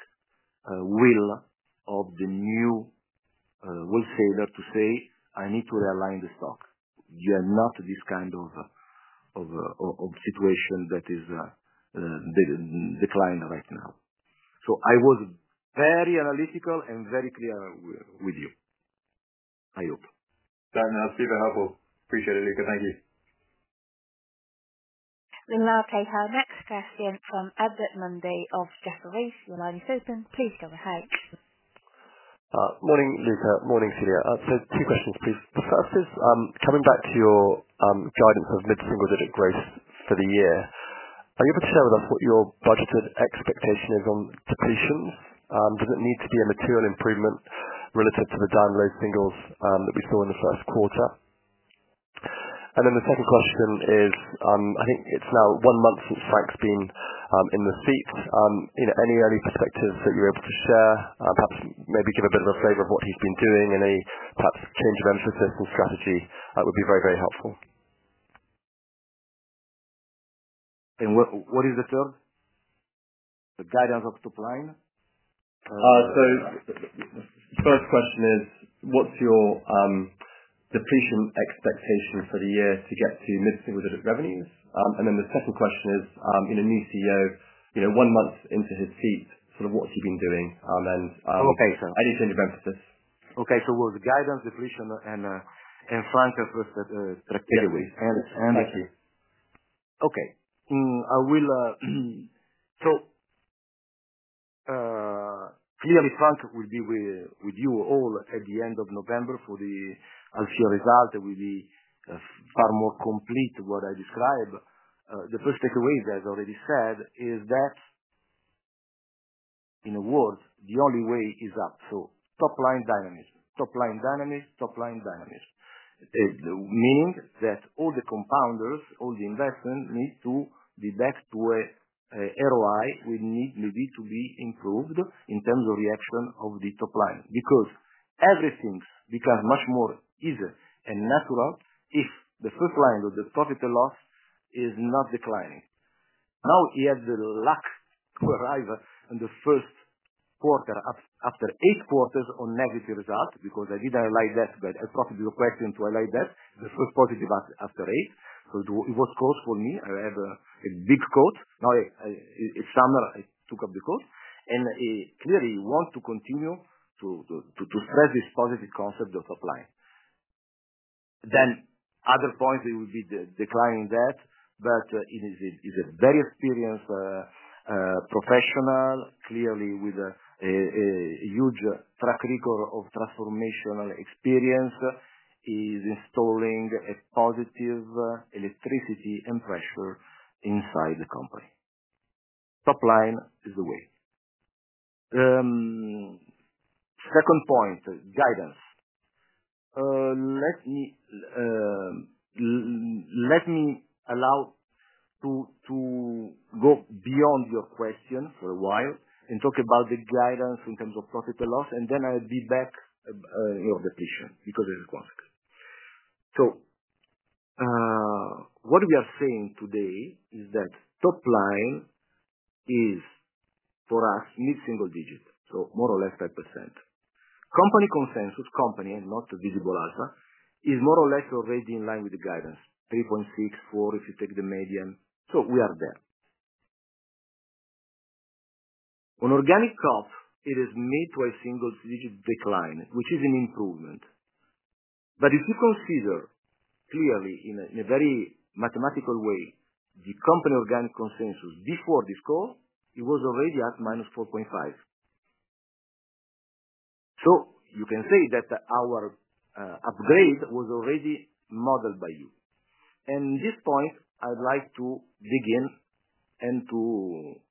will of the new wholesaler to say, I need to realign the stock. You are not this kind of of of situation that is that is declined right now. So I was very analytical and very clear with you, I hope. That's been Appreciate it, Luca. Thank you. We'll now take our next question from Albert Mundy of Jefferies. Your line is open. Please go ahead. Morning, Luca. Morning, Celia. So two questions, please. The first is coming back to your guidance of mid single digit growth for the year. Are you able to share with us what your budgeted expectation is on depletions? Does it need to be a material improvement relative to the down low singles that we saw in the first quarter? And then the second question is, I think it's now one month since Frank's been in the seats. Any early perspectives that you're able to share? Perhaps maybe give a bit of a flavor of what he's been doing in a perhaps change of emphasis and strategy, that would be very, very helpful. And what what is the third? The guidance of top line? So first question is, what's your depletion expectation for the year to get to mid single digit revenues? And then the second question is, in a new CEO, you know, one month into his seat, sort of what he's been doing. And Okay, sir. I need to think about this. Okay. So with guidance, depletion, and frankness with the the the the way. And and Thank you. Okay. I will so clearly, Frank will be with with you all at the November for the I'll share results. It will be far more complete to what I described. The first takeaway that I already said is that in a world, the only way is up to top line dynamics. Top line dynamics. Top line dynamics. It means that all the compounders, all the investment need to be back to a a ROI. We need maybe to be improved in terms of reaction of the top line because everything becomes much more easy and natural if the first line of the profit and loss is not declining. Now he has the luck to arrive in the first quarter up after eight quarters on negative results because I did highlight that, but I thought of your question to highlight that. The first positive after rate, so it was close for me. I have a a big quote. Now it's summer, I took up the quote. And clearly, he wants to continue to to to to spread this positive concept of supply. Then other point, it will be declining that, but it is a it is a very experienced professional, clearly, a huge track record of transformational experience. Is installing a positive electricity and pressure inside the company. Top line is the way. Second point, guidance. Let me let me allow to to go beyond your question for a while and talk about the guidance in terms of profit and loss, and then I'll be back you know, the patient because it's consequence. So what we are seeing today is that top line is for us mid single digit. So more or less 5%. Company consensus company, not the visible ALSA, is more or less already in line with the guidance. 3.6, four if you take the median. So we are there. On organic comp, it is mid to a single digit decline, which is an improvement. But if you consider clearly in a in a very mathematical way, the company organic consensus before this call, it was already at minus 4.5. So you can say that our upgrade was already modeled by you. And this point, I'd like to dig in and to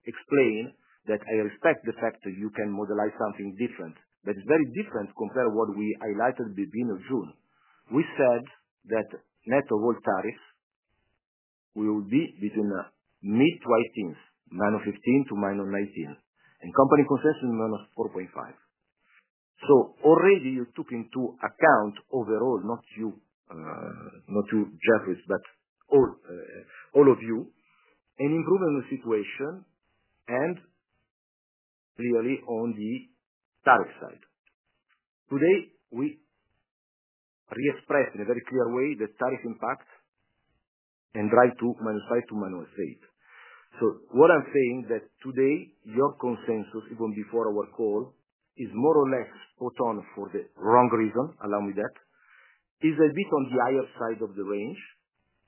explain that I respect the fact that you can modelize something different. That's very different compared to what we highlighted at the June. We said that net of all tariffs will be between mid twenties, nine of 15 to nine of 19, and company concession, minus 4.5. So already, you took into account overall, not you not you, Jeffries, but all all of you, an improvement in the situation and clearly on the tariff side. Today, we reexpressed in a very clear way the tariff impact and try to manage side to manage state. So what I'm saying that today, your consensus even before our call is more or less put on for the wrong reason, allow me that, is a bit on the higher side of the range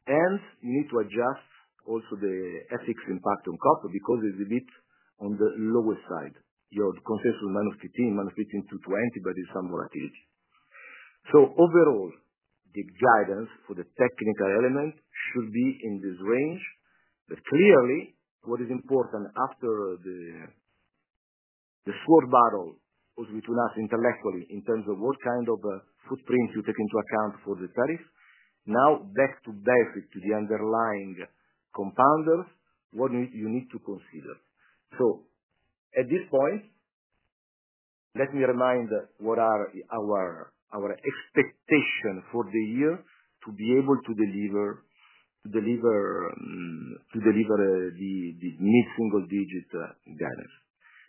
and need to adjust also the ethics impact on copper because it's a bit on the lowest side. You have concessional minus 15, minus 15 to 20, but there's some volatility. So overall, the guidance for the technical element should be in this range. But, what is important after the the score battle was between us intellectually in terms of what kind of footprint you take into account for the tariff. Now back to back to the underlying compounders, what need you need to consider. So at this point, let me remind what are our our expectation for the year to be able to deliver to deliver to deliver the the mid single digit guidance.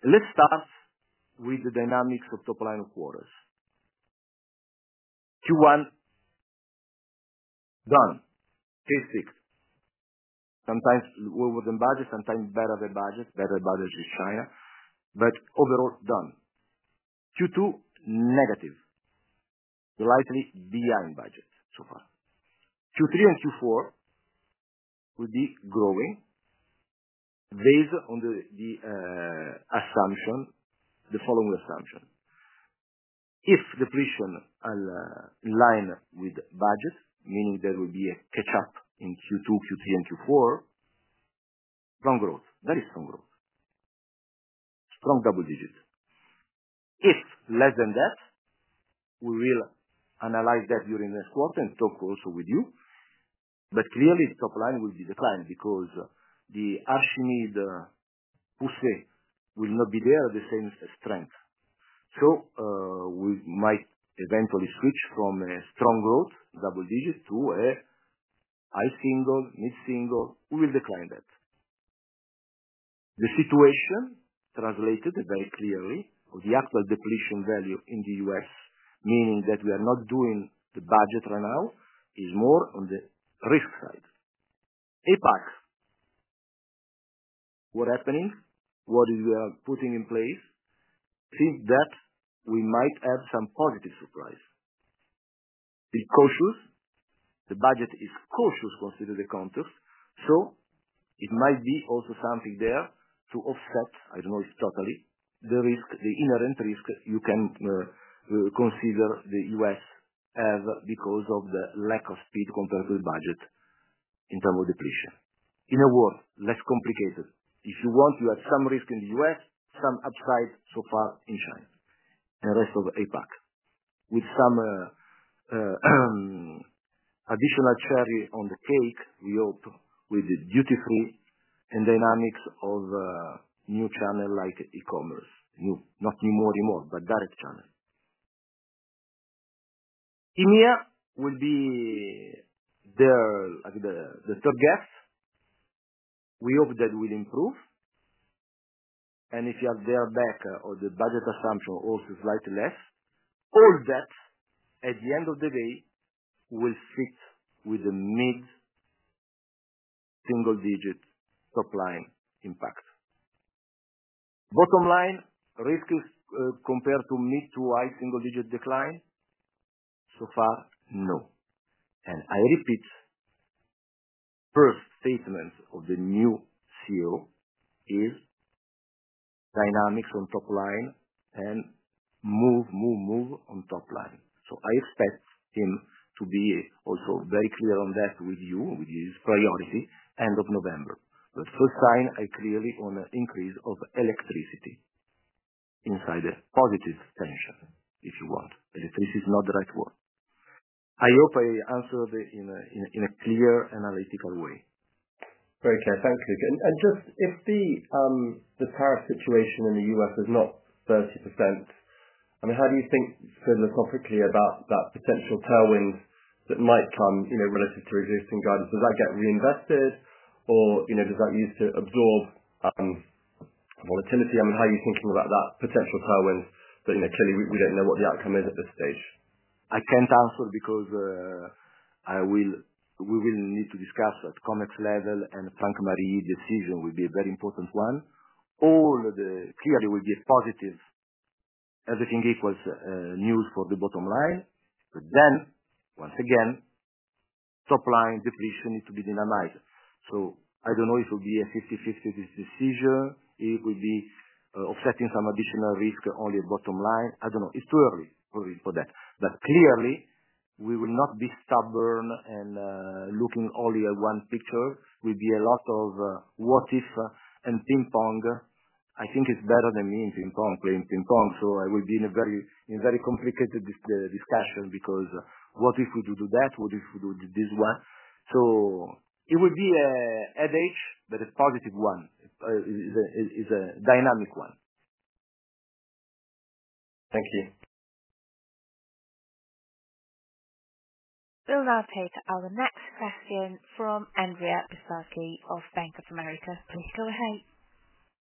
Let's start with the dynamics of top line of quarters. Q one, done. Basic. Sometimes, we're within budget, sometimes better than budget. Better budget is China, but overall done. Q two, negative. Slightly behind budget so far. Q three and q four would be growing based on the the assumption the following assumption. If depletion are in line with budget, meaning there will be a catch up in q two, q three, and q four, strong growth. Very strong growth. Strong double digit. If less than that, we will analyze that during this quarter and talk also with you. But clearly, the top line will be declined because the Ashmeade Hussein will not be there the same strength. So we might eventually switch from a strong growth, double digit, to a high single, mid single. We will decline that. The situation translated very clearly of the actual depletion value in The US, meaning that we are not doing the budget right now. It's more on the risk side. APAC, what happening? What is we are putting in place? Seems that we might have some positive surprise. Be cautious. The budget is cautious, consider the context. So it might be also something there to offset, I don't know if totally, the risk the inherent risk that you can consider The US as because of the lack of speed compared to the budget in thermal depletion. In a world, less complicated. If you want, you have some risk in The US, some upside so far in China and rest of APAC. With some additional cherry on the cake, we hope, with the duty free and dynamics of new channel like ecommerce. New not new more anymore, but direct channel. EMEA will be the the the the gap. We hope that will improve. And if you have their back or the budget assumption also slightly less, all that at the end of the day will fit with the mid single digit top line impact. Bottom line, risk is compared to mid to high single digit decline. So far, no. And I repeat, first statement of the new CEO is dynamics on top line and move move move on top line. So I expect him to be also very clear on that with you, with his priority November. The first sign, I clearly own a increase of electricity inside the positive tension, if you want. Electricity is not the right word. I hope I answered it in a in a in a clear analytical way. Very clear. Thanks, Luke. And and just if the the tariff situation in The US is not 30%, I mean, do you think philosophically about that potential tailwind that might come, you know, relative to existing guidance? Does that get reinvested or, you know, does that use to absorb volatility? I mean, how are you thinking about that potential tailwind? But, you know, clearly, we we don't know what the outcome is at this stage. I can't answer because I will we will need to discuss at comics level and the Franco Marie decision will be a very important one. All of the clearly, we get positive. Everything equals news for the bottom line. But then, once again, top line depletion needs to be minimized. So I don't know if it be a fifty fifty this decision. It will be offsetting some additional risk on your bottom line. I don't know. It's too early for it for that. But, clearly, we will not be stubborn and looking only at one picture. We'll be a lot of what if and ping pong. I think it's better than me in ping pong playing ping pong. So I would be in a very in a very complicated this the discussion because what if we do do that? What if we do do this one? So it would be a adage, but a positive one. It's a it's a dynamic one. Thank you. We'll now take our next question from Andrea Bisaki of Bank of America. Please go ahead.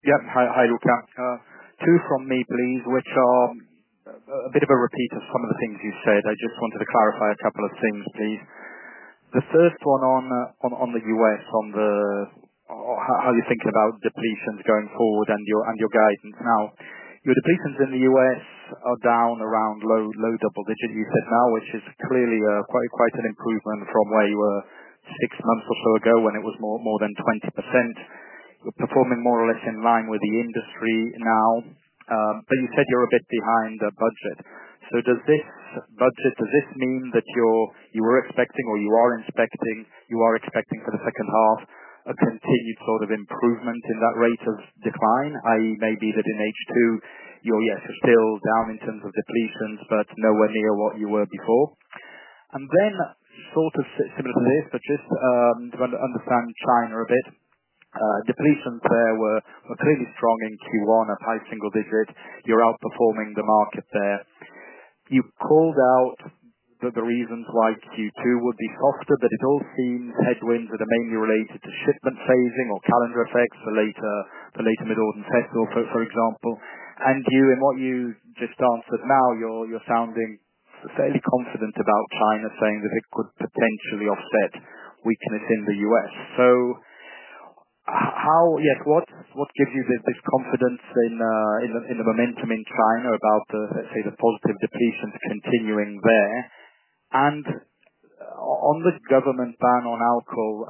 Yep. Hi. Hi, Luca. Two from me, please, which bit of a repeat of some of the things you said. I just wanted to clarify a couple of things, please. The first one on on on The US on the how how you're thinking about depletions going forward and your and your guidance now. Your depletions in The US are down around low low double digit, you said now, which is clearly quite quite an improvement from where you were six months or so ago when it was more more than 20%. You're performing more or less in line with the industry now, But you said you're a bit behind the budget. So does this budget does this mean that you're you were expecting or you are inspecting you are expecting for the second half a continued sort of improvement in that rate of decline? I maybe that in h two, you're, yes, still down in terms of depletions, but nowhere near what you were before. And then sort of similar to this, but just to understand China a bit, depletions there were were clearly strong in q one at high single digit. You're outperforming the market there. You called out the the reasons why q two would be softer, but it all seems headwinds that are mainly related to shipment phasing or calendar effects for later the later mid autumn test, for example. And you and what you just answered now, you're you're sounding fairly confident about China saying that it could potentially offset weakness in The US. So how yes. What what gives you this this confidence in in the in the momentum in China about the, let's say, the positive depletions continuing there? And on the government ban on alcohol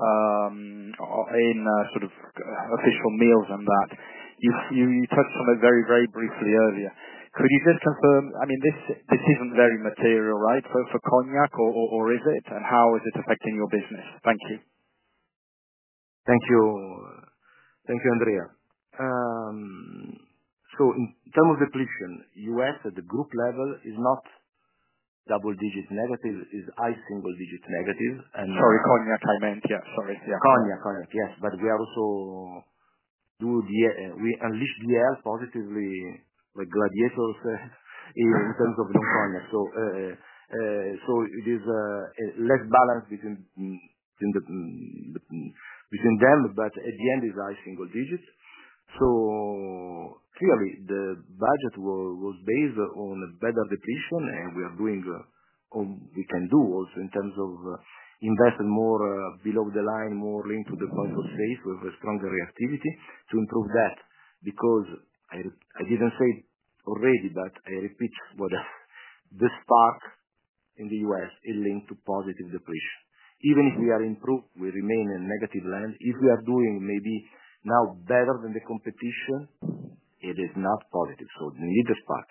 in sort of official meals on that. You you touched on it very, very briefly earlier. Could you just confirm I mean, this this isn't very material, right, for for cognac or or or is it? And how is it affecting your business? Thank you. Thank you. Thank you, Andrea. So in terms of depletion, US at the group level is not double digit negative. It's high single digit negative. Sorry. Konya, I meant. Yeah. Sorry. Yeah. Konya. Konya. Yes. But we are also do the we unleash the air positively with gladiators in terms of the Konya. So so it is less balanced between in the between them, but at the end, it's high single digits. So clearly, the budget was was based on a better depletion, and we are doing all we can do also in terms of investing more below the line, more linked to the point of sale with a stronger reactivity to improve that. Because I I didn't say already, but I repeat what the stock in The US is linked to positive depletion. Even if we are improved, we remain in negative land. If we are doing maybe now better than the competition, it is not positive. So we need the stock.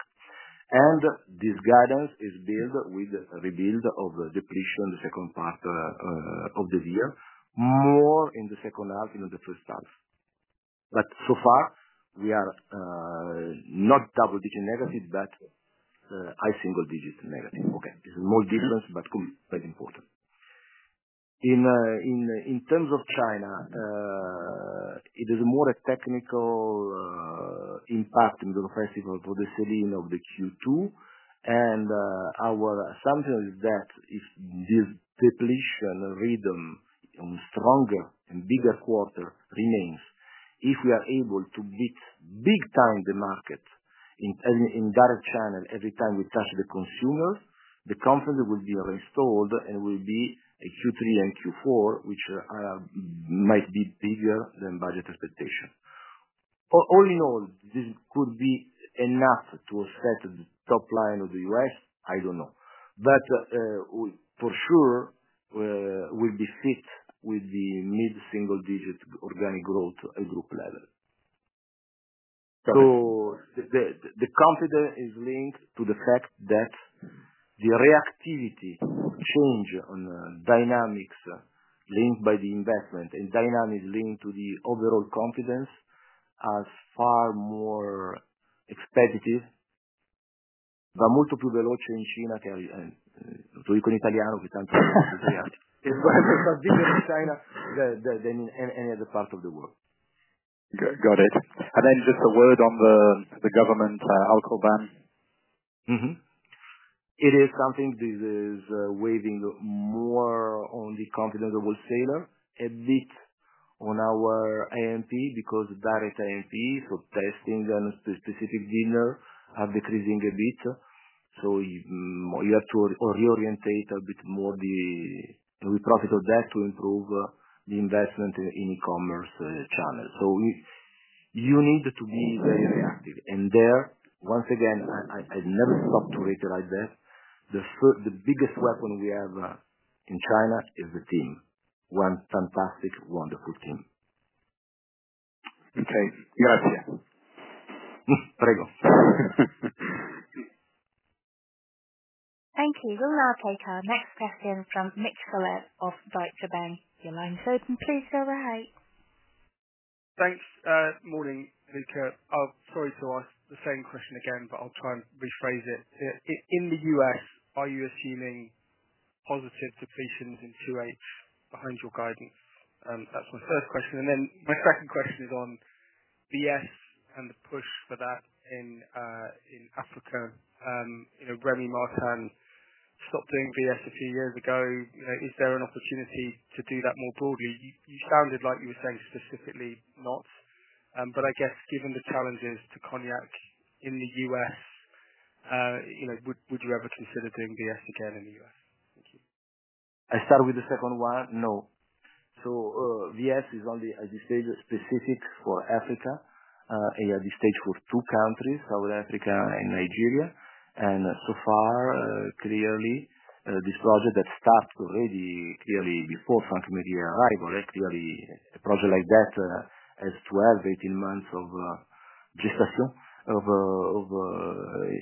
And this guidance is build with rebuild of depletion in the second part of the year more in the second half, you know, the first half. But so far, we are not double digit negative, but high single digit negative. Okay. This is more difference, but very important. In in in terms of China, it is more a technical impact in the first of all for the selling of the q two. And our assumption is that if this depletion rhythm stronger and bigger quarter remains, if we are able to beat big time the market in in in direct channel every time we touch the consumer, the company will be reinstalled and will be a q three and q four, which might be bigger than budget expectation. All in all, this could be enough to set top line of The US. I don't know. But for sure, we'll be fit with the mid single digit organic growth at group level. So the the confidence is linked to the fact that the reactivity change on dynamics linked by the investment and dynamics linked to the overall confidence as far more expected. It's gonna be a in China than than than in any other part of the world. Good. Got it. And then just a word on the the government alcohol ban. Mhmm. It is something this is waiving more on the company that will sailor a bit on our AMP because direct AMP for testing and specific dinner are decreasing a bit. So you have to reorientate a bit more the we profit of that to improve the investment in ecommerce channel. So you need to be very reactive. And there, once again, I I I never stopped to reiterate that. The the biggest weapon we have in China is the team. One fantastic, wonderful team. Okay. Got you. There you go. Thank you. We'll now take our next question from Mitch Gillette of Deutsche Bank. Your line is open. Please go ahead. Thanks. Morning, Luca. Sorry to ask the same question again, but I'll try and rephrase it. In The US, are you assuming positive depletions in two h behind your guidance? That's my first question. And then my second question is on BS and the push for that in in Africa. You know, Remy Martin stopped doing BS a few years ago. Is there an opportunity to do that more broadly? You you sounded like you were saying specifically not. But I guess, the challenges to cognac in The US, you know, would would you ever consider doing the SD card in The US? Thank you. I'll start with the second one. No. So the SD is on the SD stage specific for Africa. And at the stage for two countries, South Africa and Nigeria. And so far, clearly, this project that stopped already, clearly, before something media arrived or actually a project like that as twelve, eighteen months of gestation of of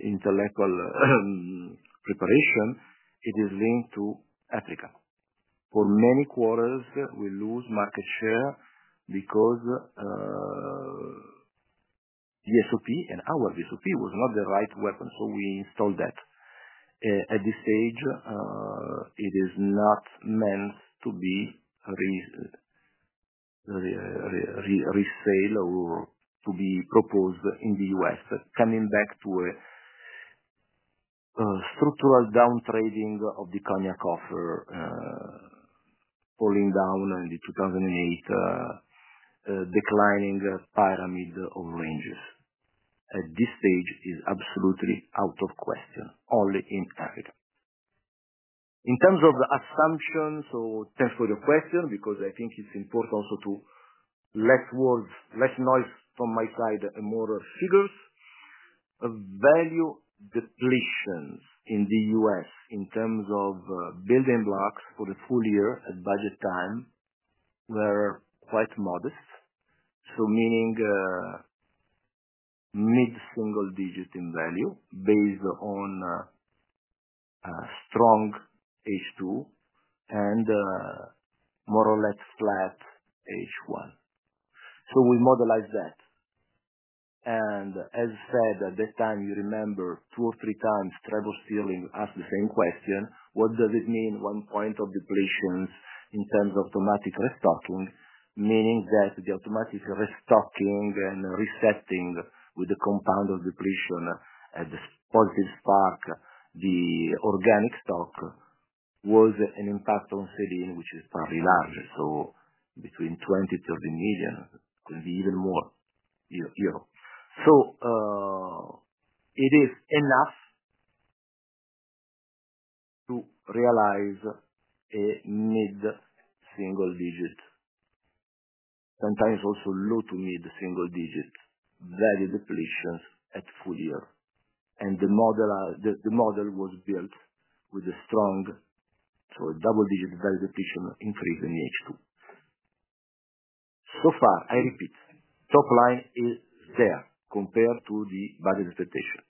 intellectual preparation, it is linked to Africa. For many quarters, we lose market share because VSP and our VSP was not the right weapon, so we installed that. At this stage, it is not meant to be re re re re resale or to be proposed in The US, coming back to a structural down trading of the cognac offer falling down on the 2,008 declining parameter of ranges. At this stage, it's absolutely out of question, only in Africa. In terms of the assumptions so thanks for the question because I think it's important also to less words less noise from my side and more figures. Value depletions in The US in terms of building blocks for the full year at budget time were quite modest. So meaning, mid single digit in value based on strong h two and more or less flat h one. So we modelize that. And as I said, at this time, you remember two or three times, Trevor stealing asked the same question. What does it mean one point of depletions in terms of automatic restocking? Meaning that the automatic restocking and resetting with the compound of depletion at this positive spark, the organic stock was an impact on CDN, which is probably larger. So between 20 to 30,000,000 could be even more, you know, euro. So it is enough to realize a mid single digit. Sometimes also low to mid single digit value depletions at full year. And the model are the the model was built with a strong so double digit value depletion increase in h two. So far, I repeat, top line is there compared to the budget expectation.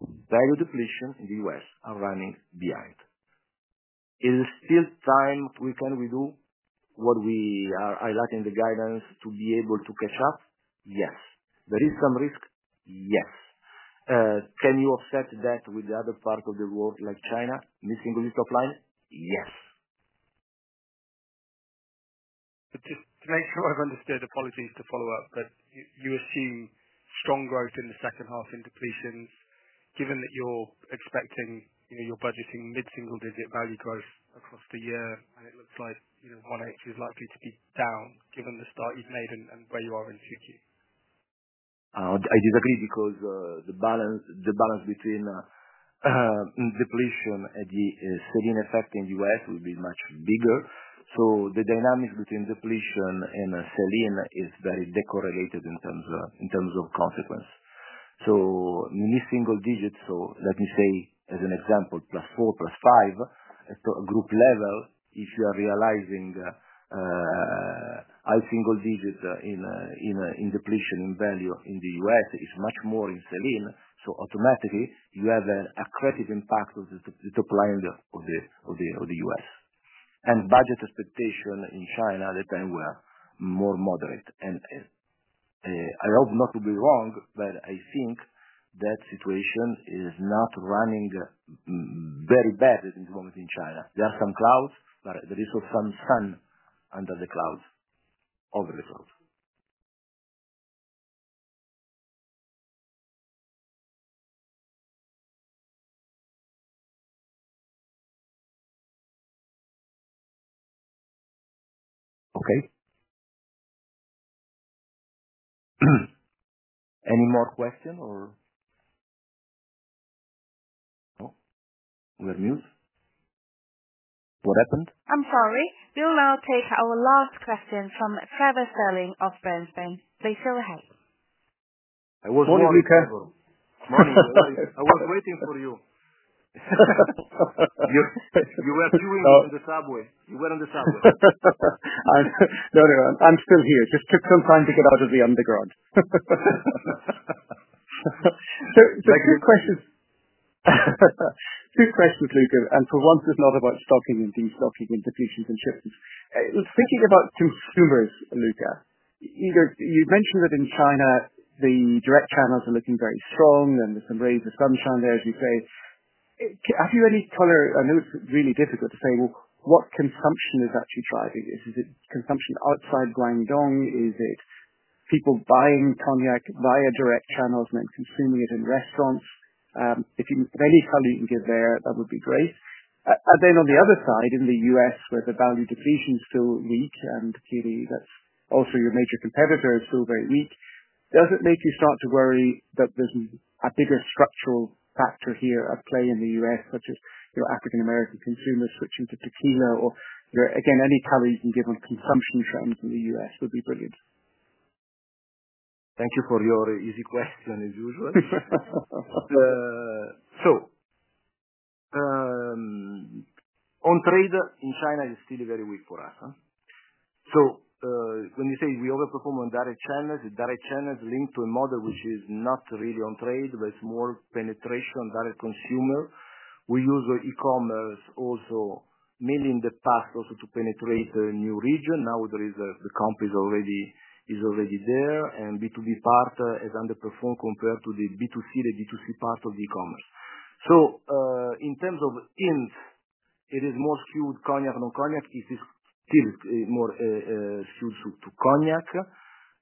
Value depletion in The US are running behind. Is it still time we can redo what we are highlighting the guidance to be able to catch up? Yes. There is some risk? Yes. Can you offset that with the other part of the world like China, missing the list of clients? Yes. But just to make sure I've understood, apologies to follow-up, but you you assume strong growth in the second half in depletions given that you're expecting, you know, you're budgeting mid single digit value growth across the year. And it looks like, you know, one eight is likely to be down given the start you've made and and where you are in two q. I disagree because the balance the balance between depletion and the sell in effect in US will be much bigger. So the dynamics between depletion and selling is very decorated in terms of in terms of consequence. So mid single digits, so let me say, as an example, plus four, plus five And so a group level, if you are realizing high single digits in a in a in depletion in value in The US, it's much more in saline. So automatically, you have a a credit impact of the the the client of the of The US. And budget expectation in China that they were more moderate. And and I hope not to be wrong, but I think that situation is not running very bad at this moment in China. There are some clouds, but there is also some sun under the cloud over the cloud. Okay. Any more question or oh, we're on mute. What happened? I'm sorry. We'll now take our last question from Trevor Sterling of Bernstein. Please go ahead. Was Morning, Trevor. Morning, Trevor. I was waiting for you. You you were chewing on the subway. You were on the subway. I'm no. No. I'm still here. Just took some time to get out of the underground. So so two questions two questions, Luca. And for once, it's not about stocking and destocking and depletion and shipments. Thinking about consumers, Luca, Either you mentioned that in China, the direct channels are looking very strong and there's some rays of sunshine there as you say. Have you any color I know it's really difficult to say what consumption is actually driving this. Is it consumption outside Guangdong? Is it people buying cognac via direct channels and then consuming it in restaurants? If you if any color you can give there, that would be great. And then on the other side, in The US where the value depletion is still weak and clearly that's also your major competitor is still very weak. Does it make you start to worry that there's a bigger structural factor here at play in The US such as, you know, African American consumers switching to tequila or, you know, again, any color you can give on consumption trends in The US would be brilliant. Thank you for your easy question as usual. So on trade in China, it's still very weak for us. So when you say we over perform on direct channels, direct channels link to a model which is not really on trade, but it's more penetration direct consumer. We use our ecommerce also mainly in the past also to penetrate the new region. Now there is a the company is already is already there and b two b part is under perform compared to the b two c, the b two c part of ecommerce. So in terms of int, it is more skewed cognac and non cognac. It is still more skewed to to cognac.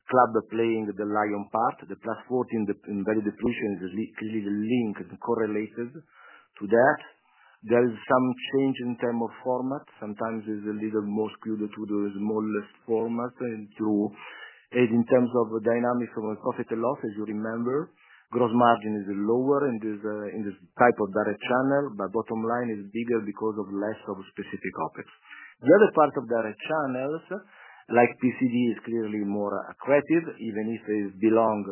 Club playing the the lion part. The plus 14, the in very depletion is is is is linked and correlated to that. There is some change in term of format. Sometimes it's a little more skewed to do a small less format and to and in terms of the dynamic from a profit and loss, as you remember, gross margin is lower in this in this type of direct channel, but bottom line is bigger because of less of specific topics. The other part of direct channels, like PCD, is clearly more accretive even if they belong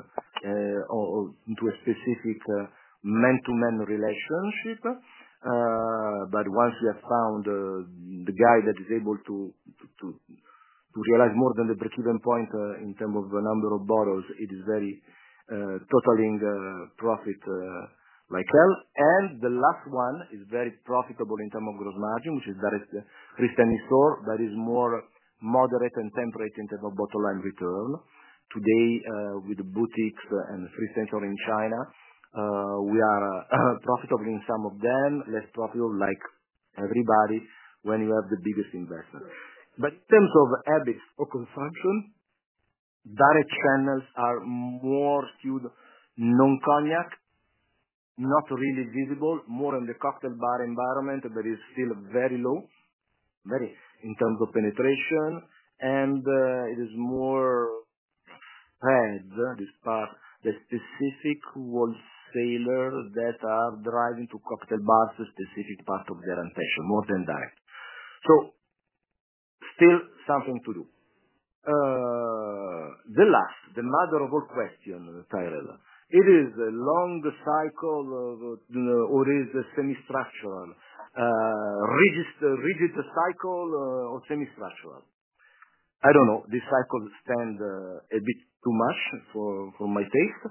or or into a specific man to man relationship. But once we have found the guy that is able to to to realize more than the breakeven point in term of the number of bottles, it is very totaling profit like hell. And the last one is very profitable in terms of gross margin, which is direct recently store that is more moderate and temperate in terms of bottom line return. Today, with the boutiques and the free central in China, we are profitable in some of them, less profitable like everybody when you have the biggest investment. But in terms of EBIT or consumption, direct channels are more skewed non cognac, not really visible, more in the cocktail bar environment, but it's still very low, very in terms of penetration. And it is more had this part, the specific wholesaler that are driving to cocktail bus, the specific part of their intention more than that. So still something to do. The last the mother of all question, Tyler. It is a longer cycle of or is the semi structural. Register rigid the cycle or semi structural. I don't know. This cycle stand a bit too much for for my taste.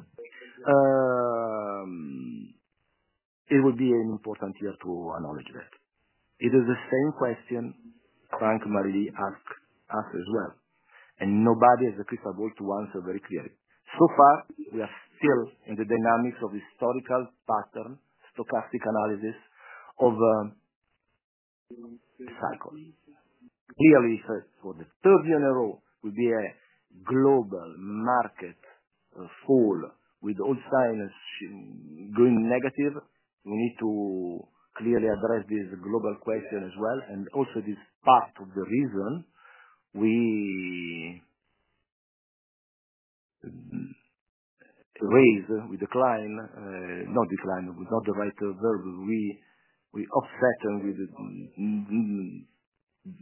It would be an important year to acknowledge that. It is the same question Frank and Marie ask asked as well. And nobody is the crystal ball to answer very clearly. So far, we are still in the dynamics of historical pattern, stochastic analysis of cycle. Clearly, for for the third year in a row would be a global market fall with all signers going negative. We need to clearly address this global question as well. And also this part of the reason, we raise we decline not decline. Not the right of verbal. We we offset them with the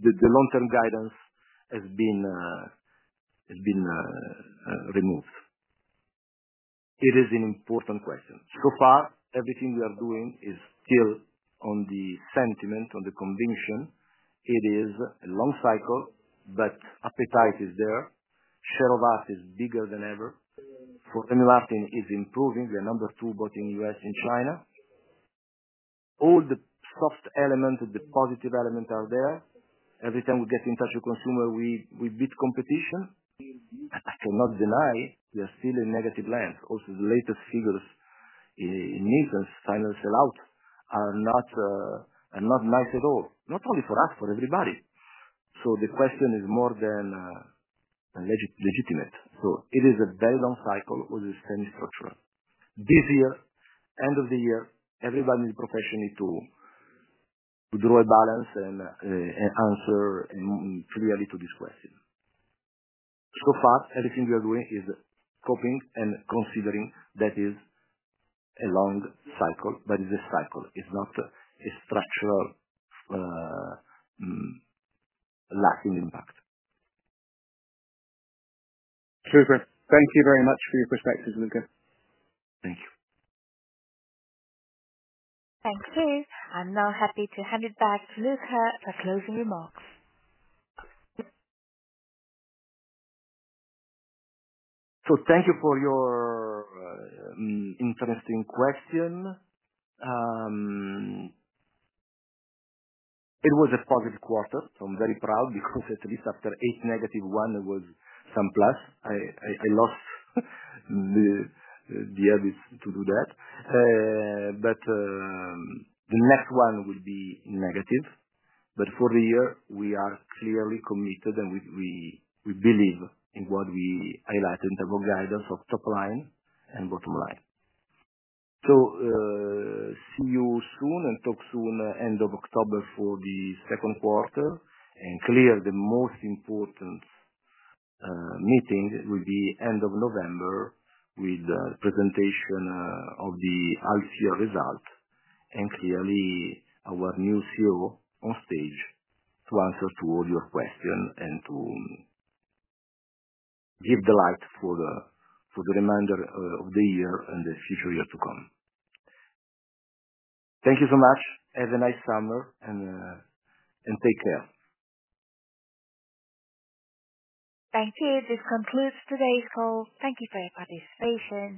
the long term guidance has been has been removed. It is an important question. So far, everything we are doing is still on the sentiment, the conviction. It is a long cycle, but appetite is there. Shale of us is bigger than ever. For Emilastin, it's improving. We are number two both in US and China. All the soft elements of the positive elements are there. Every time we get in touch with consumer, we we beat competition. I cannot deny, we are still in negative land. Also, the latest figures in Nissan's final sell out are not are not nice at all. Not only for us, for everybody. So the question is more than legit legitimate. So it is a very long cycle with the same structure. This year, end of the year, everybody professionally to draw a balance and and answer clearly to this question. So far, everything we are doing is coping and considering that is a long cycle, but it's a cycle. It's not a structural lasting impact. Super. Thank you very much for your perspective, Luca. Thank you. Thank you. I'm now happy to hand it back to Luca for closing remarks. So thank you for your interesting question. It was a positive quarter. So I'm very proud because at least after eight negative one, there was some plus. I I I lost the the others to do that. But the next one will be negative. But for the year, we are clearly committed and we we we believe in what we highlight in the guidance of top line and bottom line. So see you soon and talk soon October for the second quarter. And clear, the most important meeting will be November with the presentation of the ICO result. And clearly, our new CEO on stage to answer to all your question and to give the light for the for the remainder of the year and the future year to come. Thank you so much. Have a nice summer, and and take care. Thank you. This concludes today's call. Thank you for your participation.